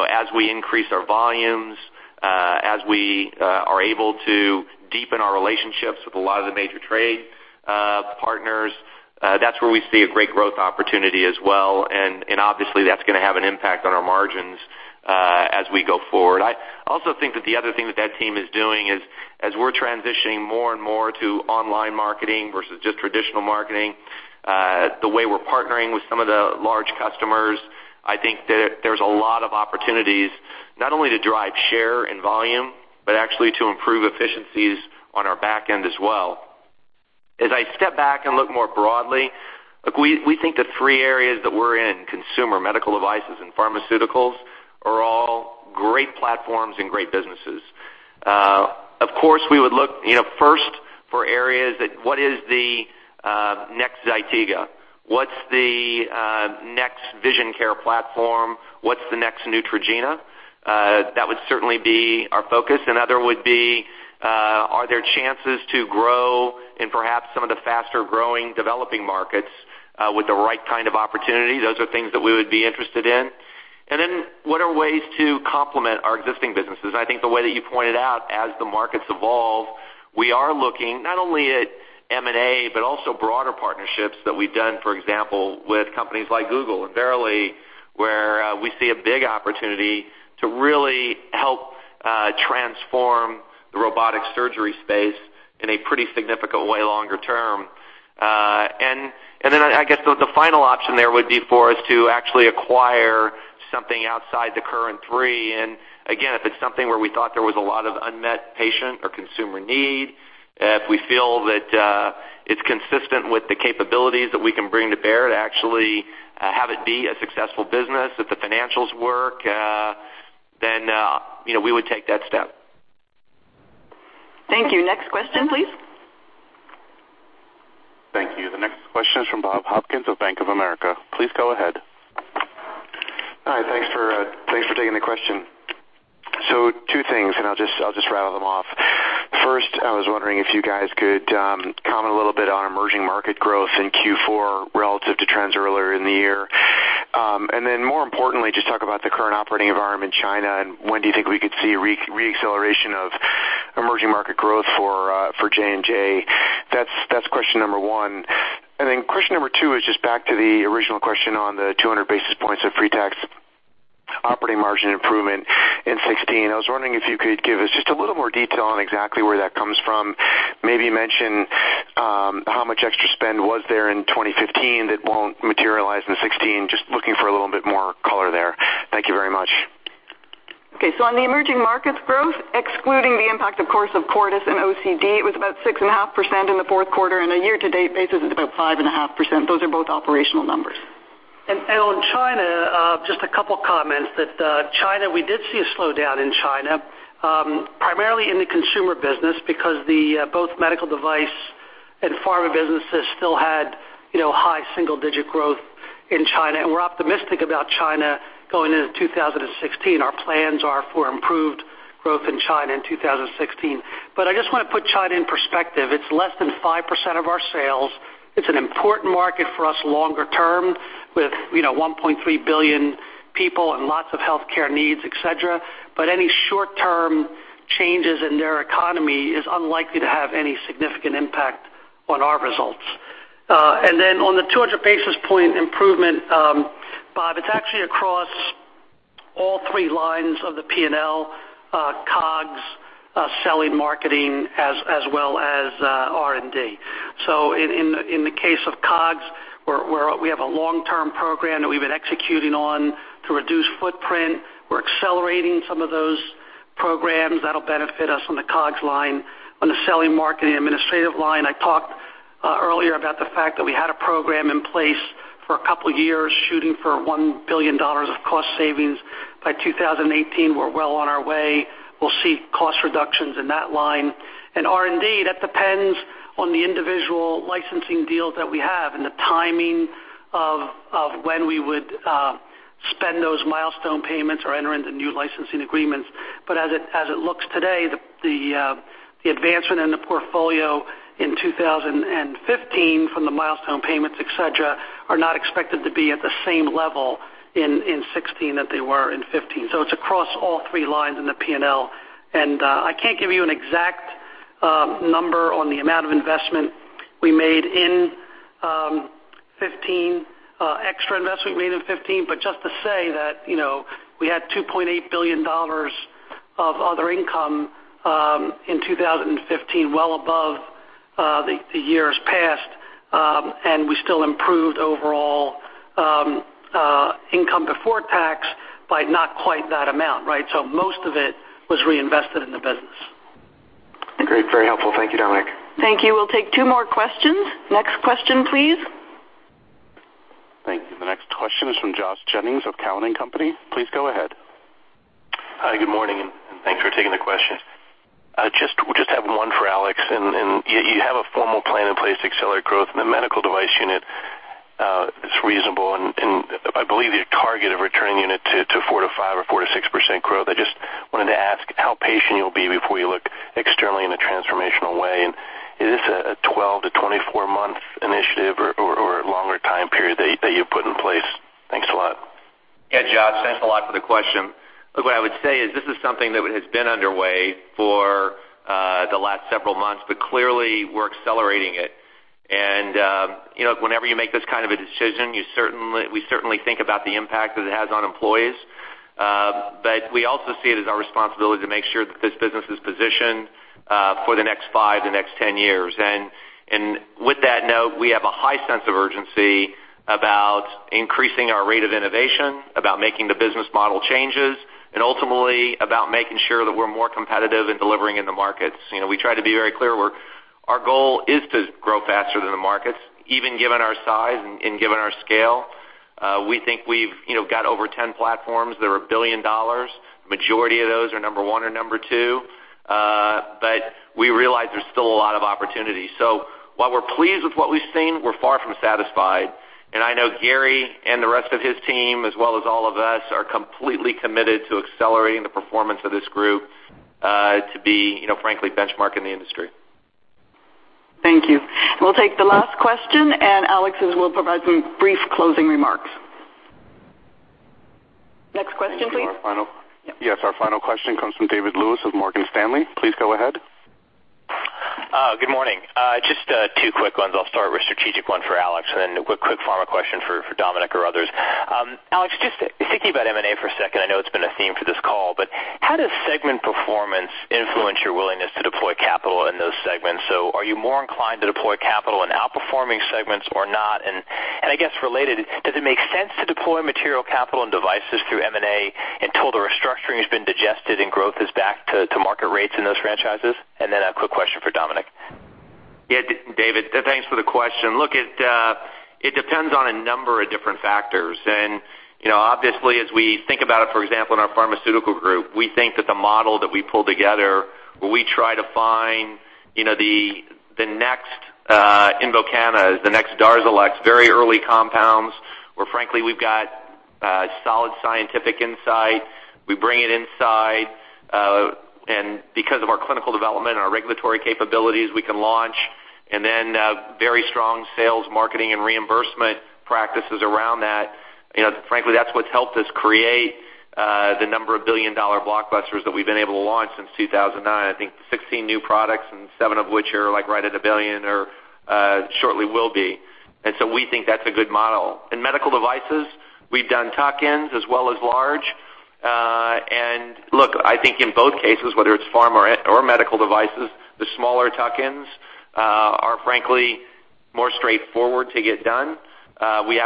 as we increase our volumes, as we are able to deepen our relationships with a lot of the major trade partners, that's where we see a great growth opportunity as well. Obviously, that's going to have an impact on our margins as we go forward. I also think that the other thing that team is doing is as we're transitioning more and more to online marketing versus just traditional marketing, the way we're partnering with some of the large customers, I think that there's a lot of opportunities not only to drive share and volume, but actually to improve efficiencies on our back end as well. As I step back and look more broadly, look, we think the three areas that we're in, consumer, medical devices, and pharmaceuticals, are all great platforms and great businesses. Of course, we would look first for areas that what is the next ZYTIGA? What's the next vision care platform? What's the next Neutrogena? That would certainly be our focus. Another would be are there chances to grow in perhaps some of the faster-growing developing markets with the right kind of opportunity? Those are things that we would be interested in. What are ways to complement our existing businesses? I think the way that you pointed out, as the markets evolve, we are looking not only at M&A, but also broader partnerships that we've done, for example, with companies like Google and Verily, where we see a big opportunity to really help transform the robotic surgery space in a pretty significant way longer term. I guess the final option there would be for us to actually acquire something outside the current three. Again, if it's something where we thought there was a lot of unmet patient or consumer need, if we feel that it's consistent with the capabilities that we can bring to bear to actually have it be a successful business, if the financials work, then we would take that step. Thank you. Next question, please. The next question is from Bob Hopkins of Bank of America. Please go ahead. Hi, thanks for taking the question. Two things, and I'll just rattle them off. First, I was wondering if you guys could comment a little bit on emerging market growth in Q4 relative to trends earlier in the year. More importantly, just talk about the current operating environment in China, and when do you think we could see re-acceleration of emerging market growth for J&J? That's question number one. Question number two is just back to the original question on the 200 basis points of pre-tax operating margin improvement in 2016. I was wondering if you could give us just a little more detail on exactly where that comes from. Maybe mention how much extra spend was there in 2015 that won't materialize in 2016. Just looking for a little bit more color there. Thank you very much. Okay, on the emerging markets growth, excluding the impact, of course, of Cordis and OCD, it's about 6.5% in the fourth quarter. On a year-to-date basis, it's about 5.5%. Those are both operational numbers. On China, just a couple of comments that China, we did see a slowdown in China, primarily in the consumer business because both medical device and pharma businesses still had high single-digit growth in China. We're optimistic about China going into 2016. Our plans are for improved growth in China in 2016. I just want to put China in perspective. It's less than 5% of our sales. It's an important market for us longer term with 1.3 billion people and lots of healthcare needs, et cetera. Any short-term changes in their economy is unlikely to have any significant impact on our results. On the 200 basis point improvement, Bob, it's actually across all three lines of the P&L, COGS, selling, marketing, as well as R&D. In the case of COGS, we have a long-term program that we've been executing on to reduce footprint. We're accelerating some of those programs that'll benefit us on the COGS line. On the selling, marketing, administrative line, I talked earlier about the fact that we had a program in place for a couple of years shooting for $1 billion of cost savings. By 2018, we're well on our way. We'll see cost reductions in that line. R&D, that depends on the individual licensing deals that we have and the timing of when we would spend those milestone payments or enter into new licensing agreements. As it looks today, the advancement in the portfolio in 2015 from the milestone payments, et cetera, are not expected to be at the same level in 2016 that they were in 2015. It's across all three lines in the P&L. I can't give you an exact number on the amount of investment we made in 2015, extra investment we made in 2015. Just to say that we had $2.8 billion of other income in 2015, well above the years past, and we still improved overall income before tax by not quite that amount. Most of it was reinvested in the business. Great. Very helpful. Thank you, Dominic. Thank you. We'll take two more questions. Next question, please. Thank you. The next question is from Josh Jennings of Cowen and Company. Please go ahead. Hi, good morning, thanks for taking the question. Just have one for Alex. You have a formal plan in place to accelerate growth in the medical device unit is reasonable, and I believe your target of returning unit to 4%-5% or 4%-6% growth. I just wanted to ask how patient you'll be before you look externally in a transformational way. Is this a 12-to-24-month initiative or a longer time period that you put in place? Thanks a lot. Josh, thanks a lot for the question. What I would say is this is something that has been underway for the last several months, clearly, we're accelerating it. Whenever you make this kind of a decision, we certainly think about the impact that it has on employees. We also see it as our responsibility to make sure that this business is positioned for the next five, the next 10 years. With that note, we have a high sense of urgency about increasing our rate of innovation, about making the business model changes, and ultimately about making sure that we're more competitive in delivering in the markets. We try to be very clear. Our goal is to grow faster than the markets, even given our size and given our scale. We think we've got over 10 platforms that are $1 billion. Majority of those are number 1 or number 2. We realize there's still a lot of opportunity. While we're pleased with what we've seen, we're far from satisfied. I know Gary and the rest of his team, as well as all of us, are completely committed to accelerating the performance of this group to be frankly benchmark in the industry. Thank you. We'll take the last question. Alex will provide some brief closing remarks. Next question, please. Our final question comes from David Lewis of Morgan Stanley. Please go ahead. Good morning. Just two quick ones. I'll start with strategic one for Alex and then a quick pharma question for Dominic or others. Alex, just thinking about M&A for a second. I know it's been a theme for this call, how does segment performance influence your willingness to deploy capital in those segments? Are you more inclined to deploy capital in outperforming segments or not? I guess related, does it make sense to deploy material capital and devices through M&A until the restructuring has been digested and growth is back to market rates in those franchises? A quick question for Dominic. Yeah, David, thanks for the question. Look it depends on a number of different factors. Obviously, as we think about it, for example, in our pharmaceutical group, we think that the model that we pull together, where we try to find the next INVOKANA, the next DARZALEX, very early compounds, where frankly, we've got solid scientific insight. We bring it inside, because of our clinical development and our regulatory capabilities, we can launch. Very strong sales, marketing, and reimbursement practices around that. Frankly, that's what's helped us create the number of billion-dollar blockbusters that we've been able to launch since 2009. I think 16 new products, seven of which are right at a billion or shortly will be. We think that's a good model. In medical devices, we've done tuck-ins as well as large. Look, I think in both cases, whether it's pharma or medical devices, the smaller tuck-ins are frankly more straightforward to get done. We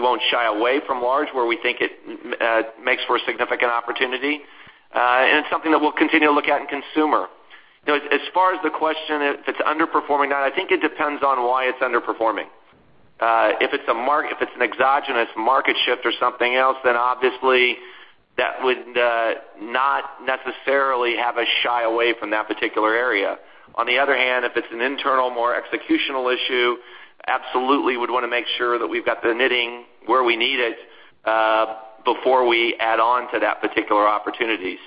won't shy away from large where we think it makes for a significant opportunity. It's something that we'll continue to look at in consumer. As far as the question, if it's underperforming now, I think it depends on why it's underperforming. If it's an exogenous market shift or something else, obviously, that would not necessarily have us shy away from that particular area. On the other hand, if it's an internal, more executional issue, absolutely would want to make sure that we've got the knitting where we need it, before we add on to that particular opportunity.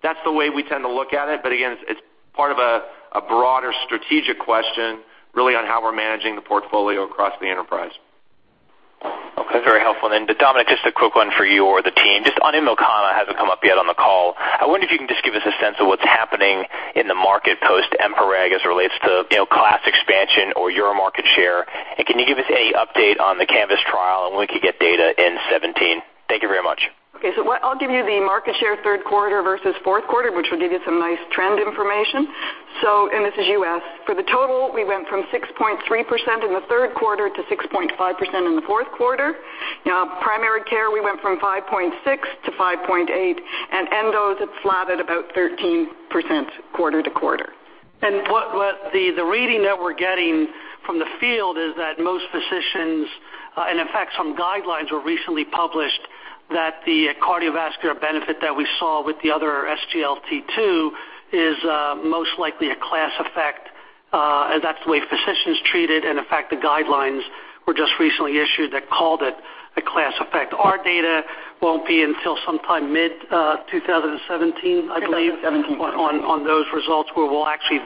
That's the way we tend to look at it. Again, it's part of a broader strategic question, really on how we're managing the portfolio across the enterprise. Okay. Very helpful. Dominic, just a quick one for you or the team. Just on INVOKANA, it hasn't come up yet on the call. I wonder if you can just give us a sense of what's happening in the market post EMPA-REG as it relates to class expansion or your market share. Can you give us any update on the CANVAS trial and when we can get data in 2017? Thank you very much. Okay. I'll give you the market share third quarter versus fourth quarter, which will give you some nice trend information. This is U.S. For the total, we went from 6.3% in the third quarter to 6.5% in the fourth quarter. Primary care, we went from 5.6% to 5.8%, and endos, it's flat at about 13% quarter to quarter. The reading that we're getting from the field is that most physicians, and in fact, some guidelines were recently published that the cardiovascular benefit that we saw with the other SGLT2 is most likely a class effect, and that's the way physicians treat it, and in fact, the guidelines were just recently issued that called it a class effect. Our data won't be until sometime mid-2017, I believe- 2017, yes on those results, where we'll actually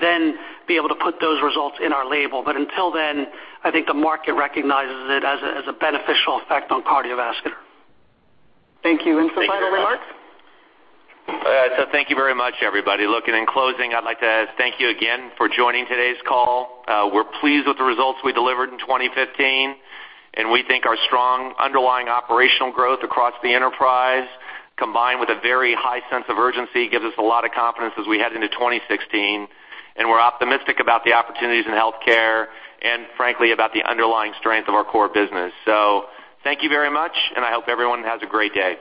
be able to put those results in our label. Until then, I think the market recognizes it as a beneficial effect on cardiovascular. Thank you. Some final remarks? Thank you very much, everybody. Look, in closing, I'd like to thank you again for joining today's call. We're pleased with the results we delivered in 2015, and we think our strong underlying operational growth across the enterprise, combined with a very high sense of urgency, gives us a lot of confidence as we head into 2016. We're optimistic about the opportunities in healthcare and frankly, about the underlying strength of our core business. Thank you very much, and I hope everyone has a great day.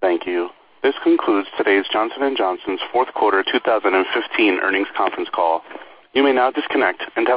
Thank you. This concludes today's Johnson & Johnson's fourth quarter 2015 earnings conference call. You may now disconnect. Have a great day.